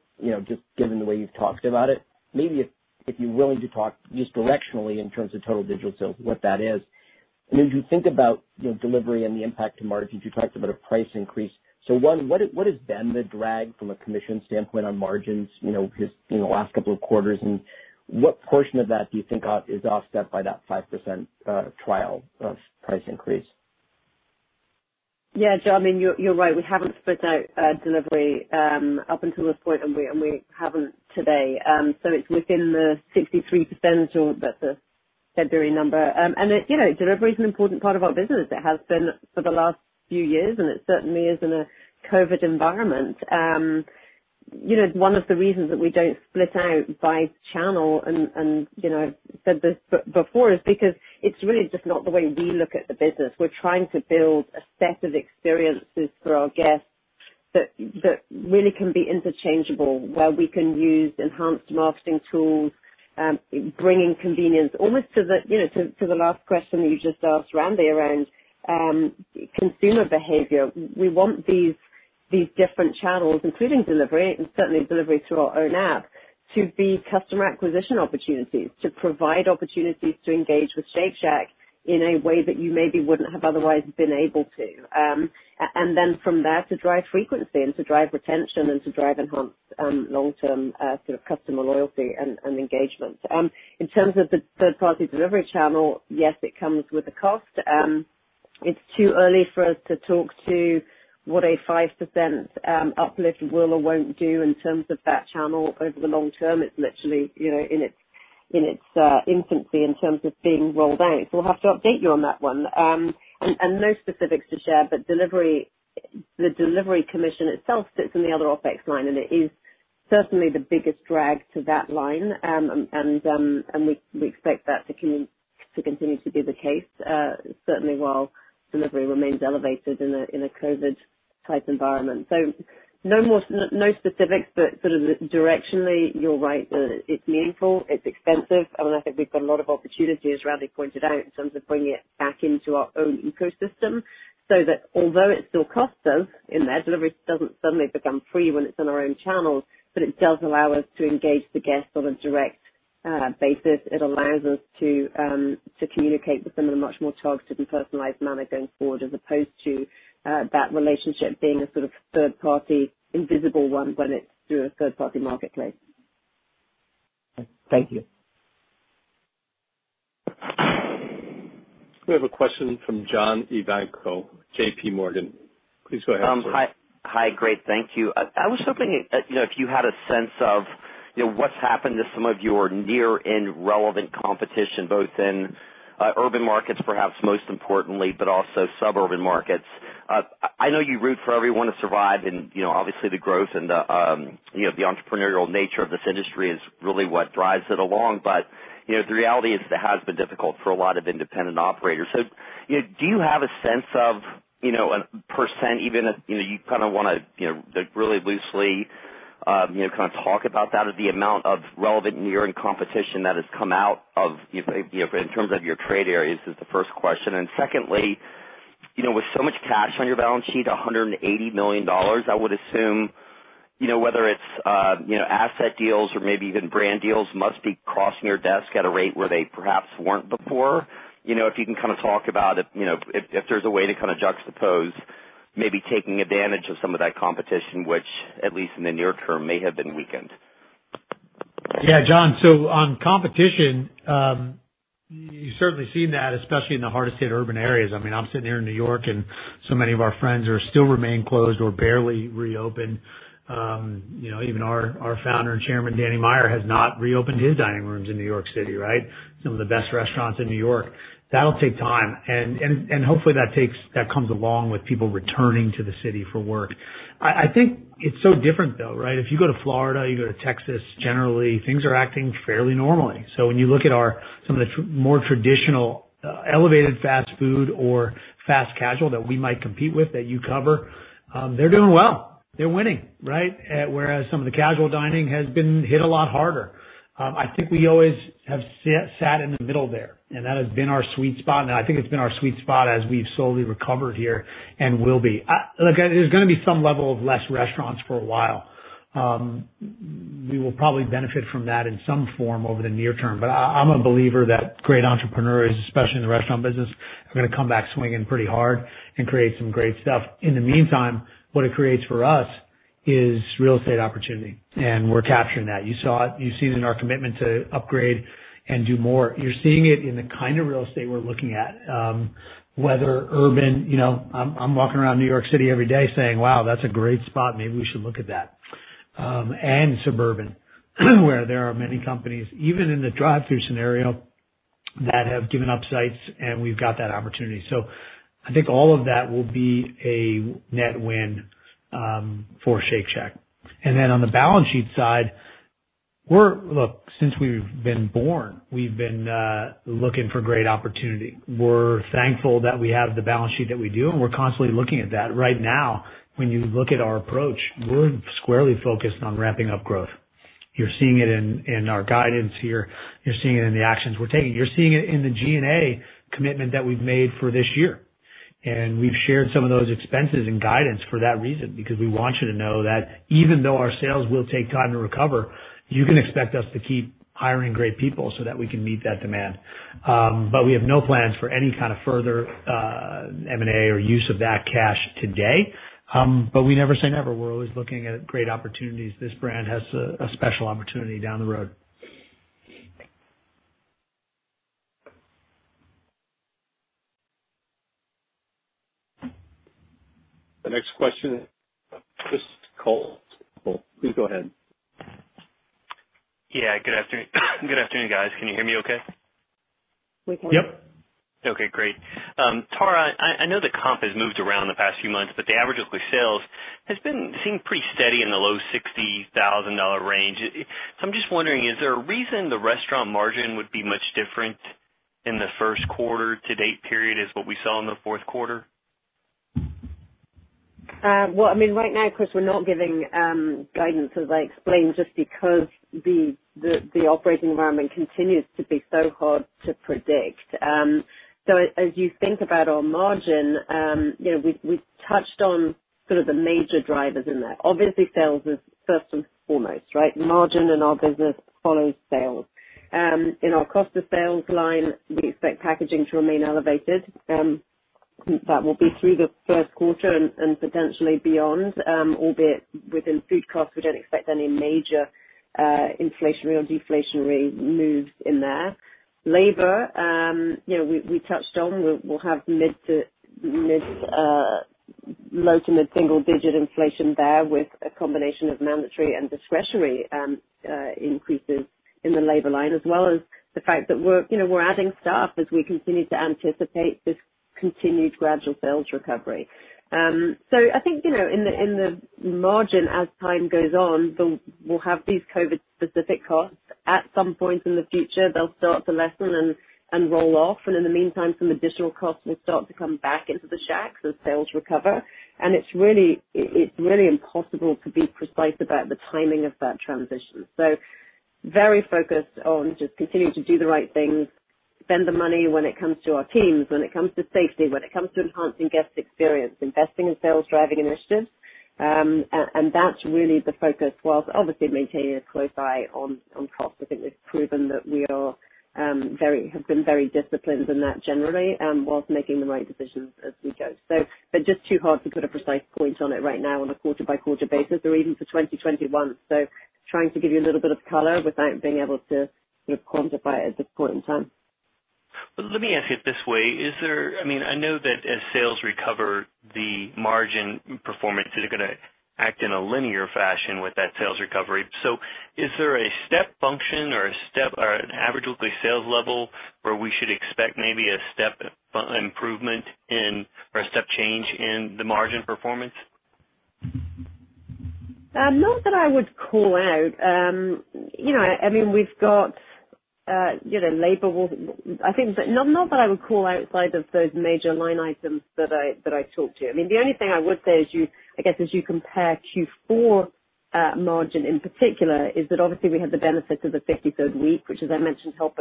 Speaker 8: just given the way you've talked about it. Maybe if you're willing to talk just directionally in terms of total digital sales, what that is. As you think about delivery and the impact to margins, you talked about a price increase. One, what has been the drag from a commission standpoint on margins in the last couple of quarters, and what portion of that do you think is offset by that 5% trial of price increase?
Speaker 4: John, you're right. We haven't split out delivery up until this point, and we haven't today. It's within the 63% or that's the February number. Delivery is an important part of our business. It has been for the last few years, and it certainly is in a COVID environment. One of the reasons that we don't split out by channel, and I've said this before, is because it's really just not the way we look at the business. We're trying to build a set of experiences for our guests that really can be interchangeable, where we can use enhanced marketing tools, bringing convenience almost to the last question you just asked Randy around consumer behavior. We want these different channels, including delivery and certainly delivery through our own app, to be customer acquisition opportunities, to provide opportunities to engage with Shake Shack in a way that you maybe wouldn't have otherwise been able to. From there to drive frequency and to drive retention and to drive enhanced long-term customer loyalty and engagement. In terms of the third-party delivery channel, yes, it comes with a cost. It's too early for us to talk to what a 5% uplift will or won't do in terms of that channel over the long term. It's literally in its infancy in terms of being rolled out. We'll have to update you on that one. No specifics to share, but the delivery commission itself sits in the other OpEx line, and it is certainly the biggest drag to that line. We expect that to continue to be the case, certainly while delivery remains elevated in a COVID-type environment. No specifics, but directionally, you're right. It's meaningful, it's expensive, and I think we've got a lot of opportunity, as Randy pointed out, in terms of bringing it back into our own ecosystem, so that although it still costs us in that delivery doesn't suddenly become free when it's on our own channels, but it does allow us to engage the guest on a direct basis. It allows us to communicate with them in a much more targeted and personalized manner going forward, as opposed to that relationship being a sort of third party, invisible one when it's through a third-party marketplace.
Speaker 8: Thank you.
Speaker 1: We have a question from John Ivankoe, JPMorgan. Please go ahead, sir.
Speaker 9: Hi. Great. Thank you. I was hoping if you had a sense of what's happened to some of your near in relevant competition, both in urban markets, perhaps most importantly, but also suburban markets. I know you root for everyone to survive and obviously the growth and the entrepreneurial nature of this industry is really what drives it along. The reality is it has been difficult for a lot of independent operators. Do you have a sense of a percent, even if you kind of want to really loosely kind of talk about that, of the amount of relevant nearing competition that has come out in terms of your trade areas, is the first question. Secondly, with so much cash on your balance sheet, $180 million, I would assume whether it's asset deals or maybe even brand deals must be crossing your desk at a rate where they perhaps weren't before. If you can kind of talk about if there's a way to kind of juxtapose maybe taking advantage of some of that competition, which at least in the near term, may have been weakened?
Speaker 3: Yeah, John. On competition, you've certainly seen that, especially in the hardest hit urban areas. I'm sitting here in New York, so many of our friends still remain closed or barely reopened. Even our Founder and Chairman, Danny Meyer, has not reopened his dining rooms in New York City. Some of the best restaurants in New York. That'll take time, hopefully that comes along with people returning to the city for work. I think it's so different, though. If you go to Florida, you go to Texas, generally things are acting fairly normally. When you look at some of the more traditional elevated fast food or fast casual that we might compete with that you cover, they're doing well. They're winning. Whereas some of the casual dining has been hit a lot harder. I think we always have sat in the middle there, and that has been our sweet spot, and I think it's been our sweet spot as we've slowly recovered here and will be. There's going to be some level of less restaurants for a while. We will probably benefit from that in some form over the near term, but I'm a believer that great entrepreneurs, especially in the restaurant business, are going to come back swinging pretty hard and create some great stuff. In the meantime, what it creates for us is real estate opportunity, and we're capturing that. You see it in our commitment to upgrade and do more. You're seeing it in the kind of real estate we're looking at, whether urban, I'm walking around New York City every day saying, "Wow, that's a great spot. Maybe we should look at that. Suburban, where there are many companies, even in the drive-thru scenario, that have given up sites, and we've got that opportunity. I think all of that will be a net win for Shake Shack. On the balance sheet side, look, since we've been born, we've been looking for great opportunity. We're thankful that we have the balance sheet that we do, and we're constantly looking at that. Right now, when you look at our approach, we're squarely focused on ramping up growth. You're seeing it in our guidance here. You're seeing it in the actions we're taking. You're seeing it in the G&A commitment that we've made for this year. We've shared some of those expenses and guidance for that reason, because we want you to know that even though our sales will take time to recover, you can expect us to keep hiring great people so that we can meet that demand. We have no plans for any kind of further M&A or use of that cash today, but we never say never. We're always looking at great opportunities. This brand has a special opportunity down the road.
Speaker 1: The next question, Chris O'Cull, Stifel. Please go ahead.
Speaker 10: Yeah. Good afternoon, guys. Can you hear me okay?
Speaker 4: We can. Yep.
Speaker 10: Okay, great. Tara, I know the comp has moved around the past few months, but the average weekly sales has seemed pretty steady in the low $60,000 range. I'm just wondering, is there a reason the restaurant margin would be much different in the first quarter to date period as what we saw in the fourth quarter?
Speaker 4: Well, right now, Chris, we're not giving guidance, as I explained, just because the operating environment continues to be so hard to predict. As you think about our margin, we've touched on sort of the major drivers in that. Obviously, sales is first and foremost, right? Margin in our business follows sales. In our cost of sales line, we expect packaging to remain elevated. That will be through the first quarter and potentially beyond, albeit within food costs, we don't expect any major inflationary or deflationary moves in there. Labor, we touched on, we'll have low to mid single digit inflation there with a combination of mandatory and discretionary increases in the labor line, as well as the fact that we're adding staff as we continue to anticipate this continued gradual sales recovery. I think, in the margin, as time goes on, we'll have these COVID-19 specific costs. At some point in the future, they'll start to lessen and roll off. In the meantime, some additional costs will start to come back into the Shack as sales recover. It's really impossible to be precise about the timing of that transition. Very focused on just continuing to do the right things, spend the money when it comes to our teams, when it comes to safety, when it comes to enhancing guest experience, investing in sales-driving initiatives. That's really the focus, whilst obviously maintaining a close eye on costs. I think we've proven that we have been very disciplined in that generally, whilst making the right decisions as we go. Just too hard to put a precise point on it right now on a quarter-by-quarter basis or even for 2021. Trying to give you a little bit of color without being able to quantify it at this point in time.
Speaker 10: Let me ask it this way. I know that as sales recover, the margin performance is going to act in a linear fashion with that sales recovery. Is there a step function or an average weekly sales level where we should expect maybe a step improvement or a step change in the margin performance?
Speaker 4: Not that I would call out. Not that I would call out outside of those major line items that I talked to. The only thing I would say is, I guess, as you compare Q4 margin in particular, is that obviously we had the benefit of the 53rd week, which, as I mentioned, helped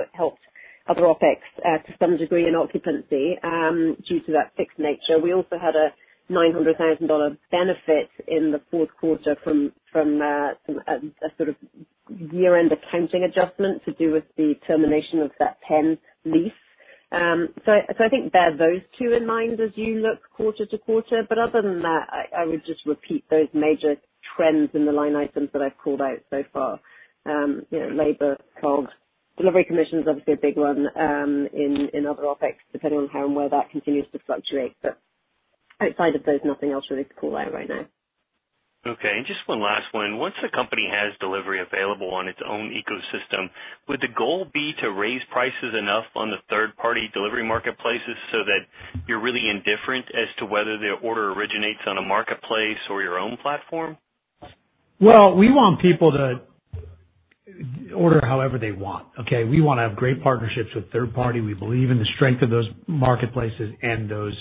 Speaker 4: other OpEx to some degree in occupancy due to that fixed nature. We also had a $900,000 benefit in the fourth quarter from a sort of year-end accounting adjustment to do with the termination of that Penn lease. I think bear those two in mind as you look quarter to quarter. Other than that, I would just repeat those major trends in the line items that I've called out so far. Labor, COGS. Delivery commission is obviously a big one in other OpEx, depending on how and where that continues to fluctuate. Outside of those, nothing else really to call out right now.
Speaker 10: Okay. Just one last one. Once the company has delivery available on its own ecosystem, would the goal be to raise prices enough on the third-party delivery marketplaces so that you're really indifferent as to whether the order originates on a marketplace or your own platform?
Speaker 3: Well, we want people to order however they want, okay? We want to have great partnerships with third party. We believe in the strength of those marketplaces and those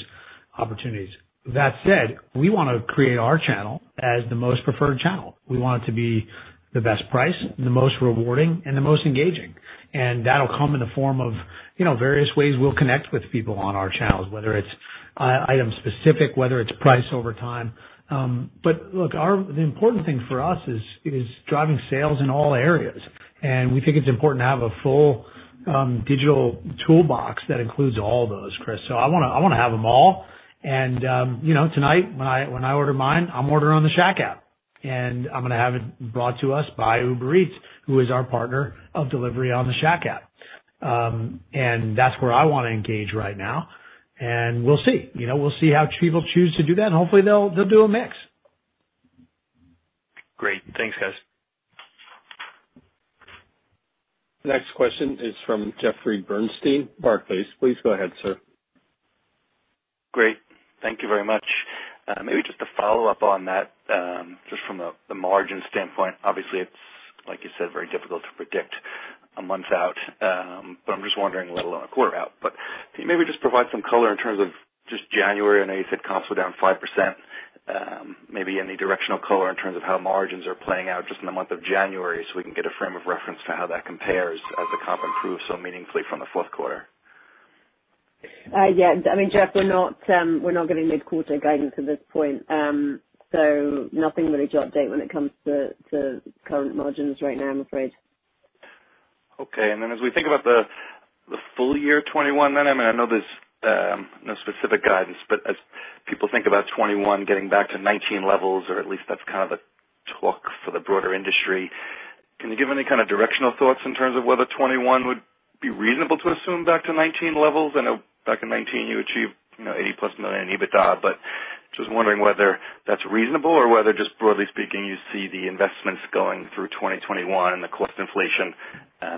Speaker 3: opportunities. That said, we want to create our channel as the most preferred channel. We want it to be the best price, the most rewarding, and the most engaging. That'll come in the form of various ways we'll connect with people on our channels, whether it's item specific, whether it's price over time. Look, the important thing for us is driving sales in all areas, and we think it's important to have a full digital toolbox that includes all those, Chris. I want to have them all. Tonight, when I order mine, I'm ordering on the Shack app. I'm going to have it brought to us by Uber Eats, who is our partner of delivery on the Shack app. That's where I want to engage right now. We'll see. We'll see how people choose to do that, and hopefully they'll do a mix.
Speaker 10: Great. Thanks, guys.
Speaker 1: Next question is from Jeffrey Bernstein, Barclays. Please go ahead, sir.
Speaker 11: Great. Thank you very much. Maybe just to follow up on that, just from the margin standpoint, obviously it's, like you said, very difficult to predict a month out, but I'm just wondering, let alone a quarter out. Can you maybe just provide some color in terms of just January? I know you said costs were down 5%. Maybe any directional color in terms of how margins are playing out just in the month of January so we can get a frame of reference to how that compares as the comp improves so meaningfully from the fourth quarter.
Speaker 4: Yeah. Jeff, we're not giving mid-quarter guidance at this point. Nothing really to update when it comes to current margins right now, I'm afraid.
Speaker 11: Okay. As we think about the full year 2021, then, I know there's no specific guidance, but as people think about 2021 getting back to 2019 levels, or at least that's kind of the talk for the broader industry, can you give any kind of directional thoughts in terms of whether 2021 would be reasonable to assume back to 2019 levels? I know back in 2019 you achieved $80+ million EBITDA, but just wondering whether that's reasonable or whether just broadly speaking you see the investments going through 2021 and the cost inflation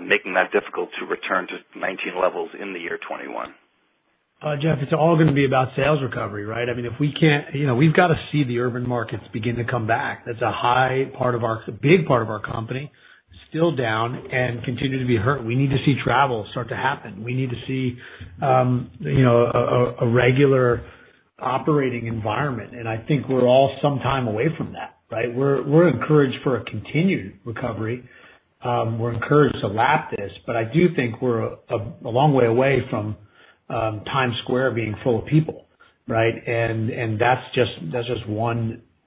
Speaker 11: making that difficult to return to 2019 levels in the year 2021.
Speaker 3: Jeff, it's all going to be about sales recovery, right? We've got to see the urban markets begin to come back. That's a big part of our company, still down and continue to be hurt. We need to see travel start to happen. We need to see a regular operating environment. I think we're all some time away from that, right? We're encouraged for a continued recovery. We're encouraged to lap this. I do think we're a long way away from Times Square being full of people, right? That's just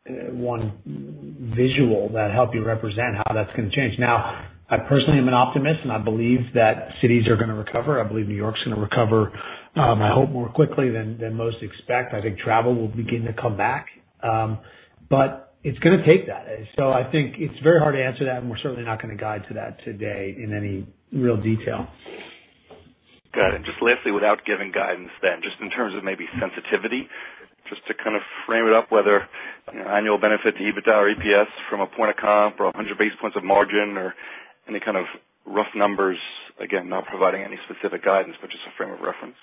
Speaker 3: one visual that help you represent how that's going to change. Now, I personally am an optimist I believe that cities are going to recover. I believe New York's going to recover, I hope more quickly than most expect. I think travel will begin to come back. It's going to take that. I think it's very hard to answer that, and we're certainly not going to guide to that today in any real detail.
Speaker 11: Got it. Lastly, without giving guidance, just in terms of maybe sensitivity, just to kind of frame it up whether annual benefit to EBITDA or EPS from a point of comp or 100 basis points of margin or any kind of rough numbers. Again, not providing any specific guidance, but just a frame of reference.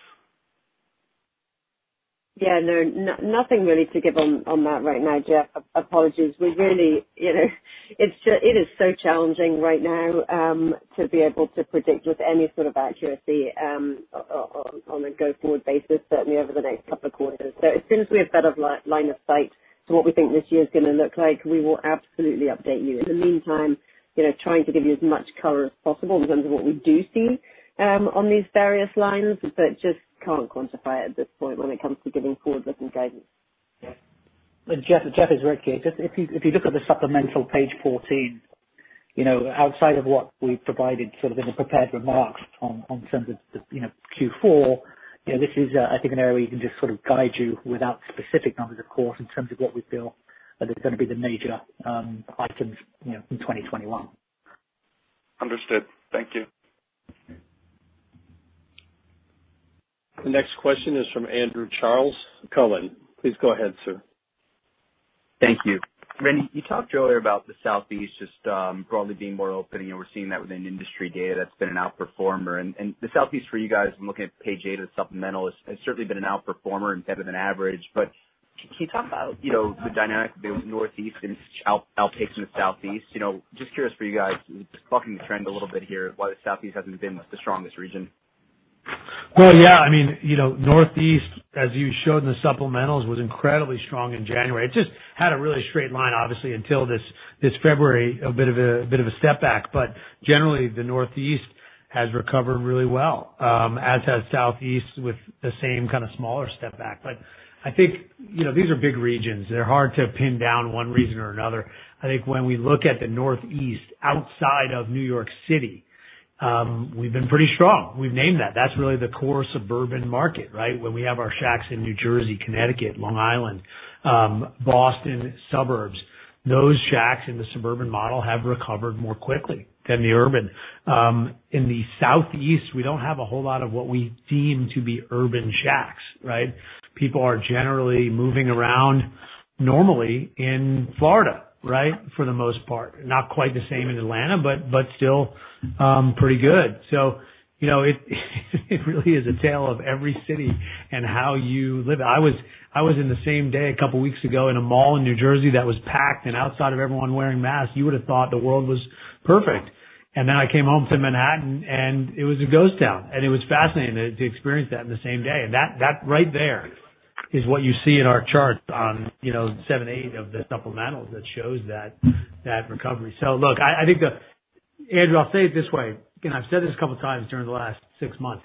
Speaker 4: Yeah, no, nothing really to give on that right now, Jeff. Apologies. It is so challenging right now to be able to predict with any sort of accuracy on a go-forward basis, certainly over the next couple of quarters. As soon as we have better line of sight to what we think this year is going to look like, we will absolutely update you. In the meantime, trying to give you as much color as possible in terms of what we do see on these various lines, but just can't quantify at this point when it comes to giving forward-looking guidance.
Speaker 2: Jeff, it's Rik here. If you look at the supplemental page 14, outside of what we've provided sort of in the prepared remarks in terms of Q4, this is I think an area we can just sort of guide you without specific numbers, of course, in terms of what we feel are going to be the major items in 2021.
Speaker 11: Understood. Thank you.
Speaker 1: The next question is from Andrew Charles, Cowen. Please go ahead, sir.
Speaker 12: Thank you. Randy, you talked earlier about the Southeast just broadly being more open, and we're seeing that within industry data that's been an outperformer. The Southeast for you guys, I'm looking at page eight of the supplemental, has certainly been an outperformer and better than average. Can you talk about the dynamic Northeast and outpacing the Southeast? Just curious for you guys, just bucking the trend a little bit here, why the Southeast hasn't been the strongest region.
Speaker 3: Well, yeah. Northeast, as you showed in the supplementals, was incredibly strong in January. It just had a really straight line, obviously, until this February, a bit of a stepback. Generally, the Northeast has recovered really well, as has Southeast with the same kind of smaller stepback. I think these are big regions. They're hard to pin down one reason or another. I think when we look at the Northeast outside of New York City, we've been pretty strong. We've named that. That's really the core suburban market, right? When we have our Shacks in New Jersey, Connecticut, Long Island, Boston suburbs. Those Shacks in the suburban model have recovered more quickly than the urban. In the Southeast, we don't have a whole lot of what we deem to be urban Shacks, right? People are generally moving around normally in Florida, right? For the most part. Not quite the same in Atlanta, still pretty good. It really is a tale of every city and how you live. I was in the same day a couple of weeks ago in a mall in New Jersey that was packed, outside of everyone wearing masks, you would have thought the world was perfect. I came home to Manhattan, and it was a ghost town. It was fascinating to experience that in the same day. That right there is what you see in our charts on seven, eight of the supplementals that shows that recovery. Look, Andrew, I'll say it this way. Again, I've said this a couple times during the last six months.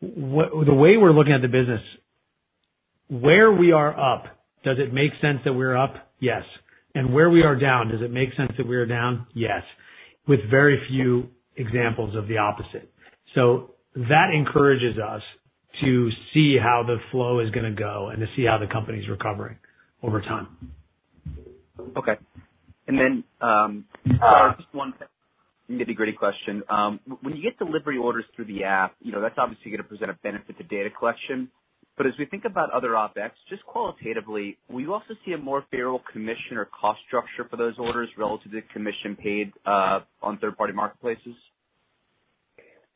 Speaker 3: The way we're looking at the business, where we are up, does it make sense that we're up? Yes. Where we are down, does it make sense that we are down? Yes, with very few examples of the opposite. That encourages us to see how the flow is going to go and to see how the company's recovering over time.
Speaker 12: Okay. Sorry, just one nitty-gritty question. When you get delivery orders through the app, that's obviously going to present a benefit to data collection. As we think about other OpEx, just qualitatively, will you also see a more favorable commission or cost structure for those orders relative to commission paid on third-party marketplaces?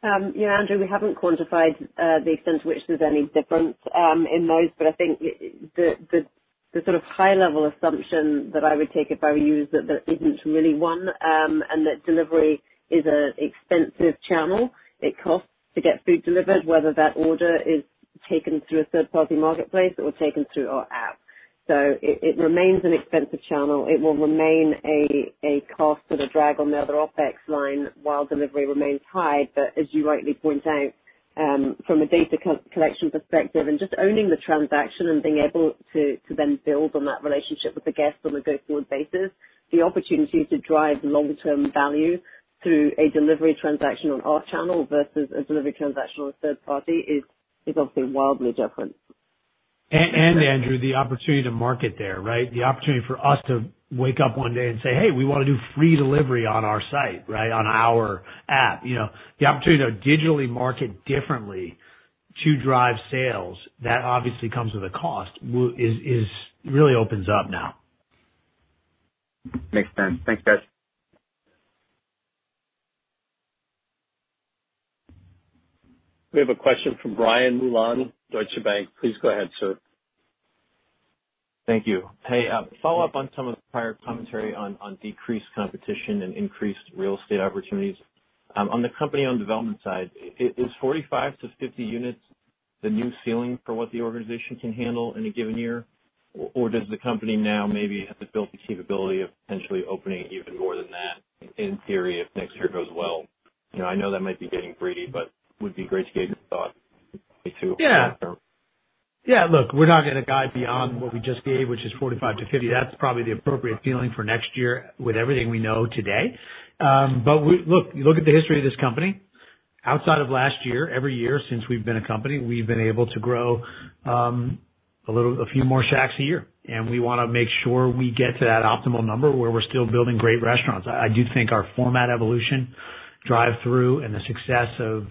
Speaker 4: You know, Andrew, we haven't quantified the extent to which there's any difference in those. I think the sort of high level assumption that I would take, if I were you, is that there isn't really one, and that delivery is an expensive channel. It costs to get food delivered, whether that order is taken through a third-party marketplace or taken through our app. It remains an expensive channel. It will remain a cost and a drag on the other OpEx line while delivery remains high. As you rightly point out, from a data collection perspective and just owning the transaction and being able to then build on that relationship with the guest on a go-forward basis, the opportunity to drive long-term value through a delivery transaction on our channel versus a delivery transaction on a third party is obviously wildly different.
Speaker 3: Andrew, the opportunity to market there, right? The opportunity for us to wake up one day and say, 'Hey, we want to do free delivery on our site,' right, 'on our app.' The opportunity to digitally market differently to drive sales, that obviously comes with a cost, really opens up now.
Speaker 12: Makes sense. Thanks, guys.
Speaker 1: We have a question from Brian Mullan, Deutsche Bank. Please go ahead, sir.
Speaker 13: Thank you. Hey, a follow-up on some of the prior commentary on decreased competition and increased real estate opportunities. On the company-owned development side, is 45-50 units the new ceiling for what the organization can handle in a given year? Does the company now maybe have built the capability of potentially opening even more than that in theory if next year goes well? I know that might be getting greedy, but would be great to get your thoughts on that too.
Speaker 3: Yeah. Look, we're not going to guide beyond what we just gave, which is 45-50. That's probably the appropriate feeling for next year with everything we know today. Look at the history of this company. Outside of last year, every year since we've been a company, we've been able to grow a few more Shacks a year, and we want to make sure we get to that optimal number where we're still building great restaurants. I do think our format evolution, drive-through, and the success of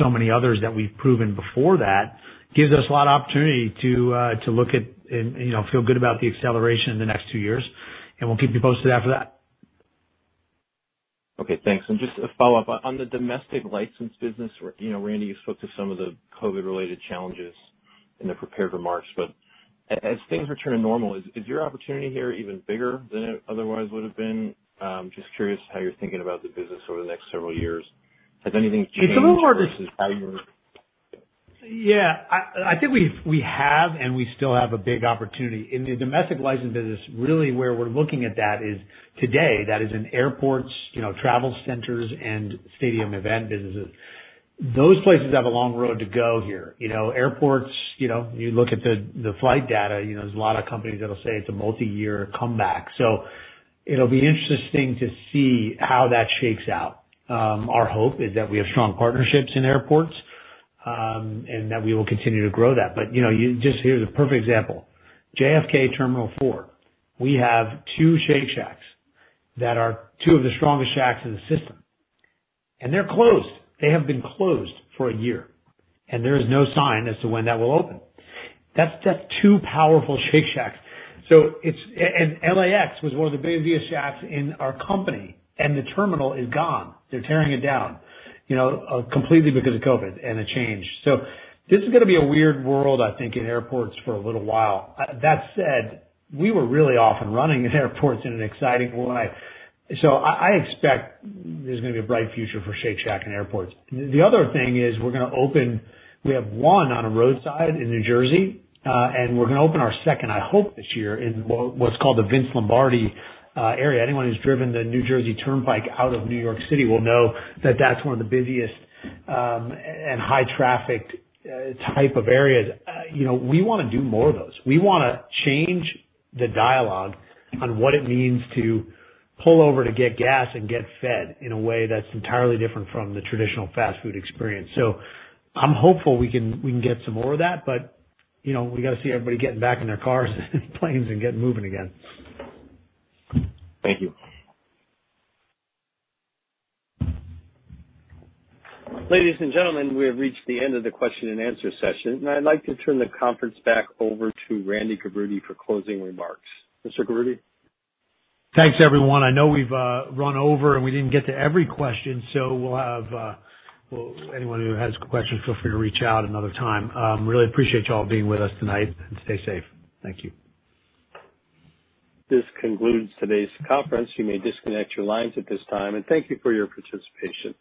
Speaker 3: so many others that we've proven before that gives us a lot of opportunity to look at and feel good about the acceleration in the next two years, and we'll keep you posted after that.
Speaker 13: Okay, thanks. Just a follow-up. On the domestic license business, Randy, you spoke to some of the COVID-19 related challenges in the prepared remarks. As things return to normal, is your opportunity here even bigger than it otherwise would have been? Just curious how you're thinking about the business over the next several years. Has anything changed versus how you were?
Speaker 3: Yeah, I think we have, and we still have a big opportunity. In the domestic license business, really where we're looking at that is today. That is in airports, travel centers, and stadium event businesses. Those places have a long road to go here. Airports, you look at the flight data, there's a lot of companies that'll say it's a multi-year comeback. It'll be interesting to see how that shakes out. Our hope is that we have strong partnerships in airports, and that we will continue to grow that. Here's a perfect example. JFK Terminal 4, we have two Shake Shacks that are two of the strongest Shacks in the system, and they're closed. They have been closed for a year, and there is no sign as to when that will open. That's two powerful Shake Shacks. LAX was one of the busiest Shacks in our company, the terminal is gone. They're tearing it down completely because of COVID and the change. This is going to be a weird world, I think, in airports for a little while. That said, we were really off and running in airports in an exciting way. I expect there's going to be a bright future for Shake Shack in airports. The other thing is we're going to open, we have one on a roadside in New Jersey, and we're going to open our second, I hope, this year in what's called the Vince Lombardi area. Anyone who's driven the New Jersey Turnpike out of New York City will know that that's one of the busiest, and high trafficked type of areas. We want to do more of those. We want to change the dialogue on what it means to pull over to get gas and get fed in a way that's entirely different from the traditional fast food experience. I'm hopeful we can get some more of that. We got to see everybody getting back in their cars and planes and getting moving again.
Speaker 13: Thank you.
Speaker 1: Ladies and gentlemen, we have reached the end of the question and answer session. I'd like to turn the conference back over to Randy Garutti for closing remarks. Mr. Garutti?
Speaker 3: Thanks, everyone. I know we've run over, and we didn't get to every question. We'll have anyone who has questions, feel free to reach out another time. Really appreciate you all being with us tonight, and stay safe. Thank you.
Speaker 1: This concludes today's conference. You may disconnect your lines at this time, and thank you for your participation.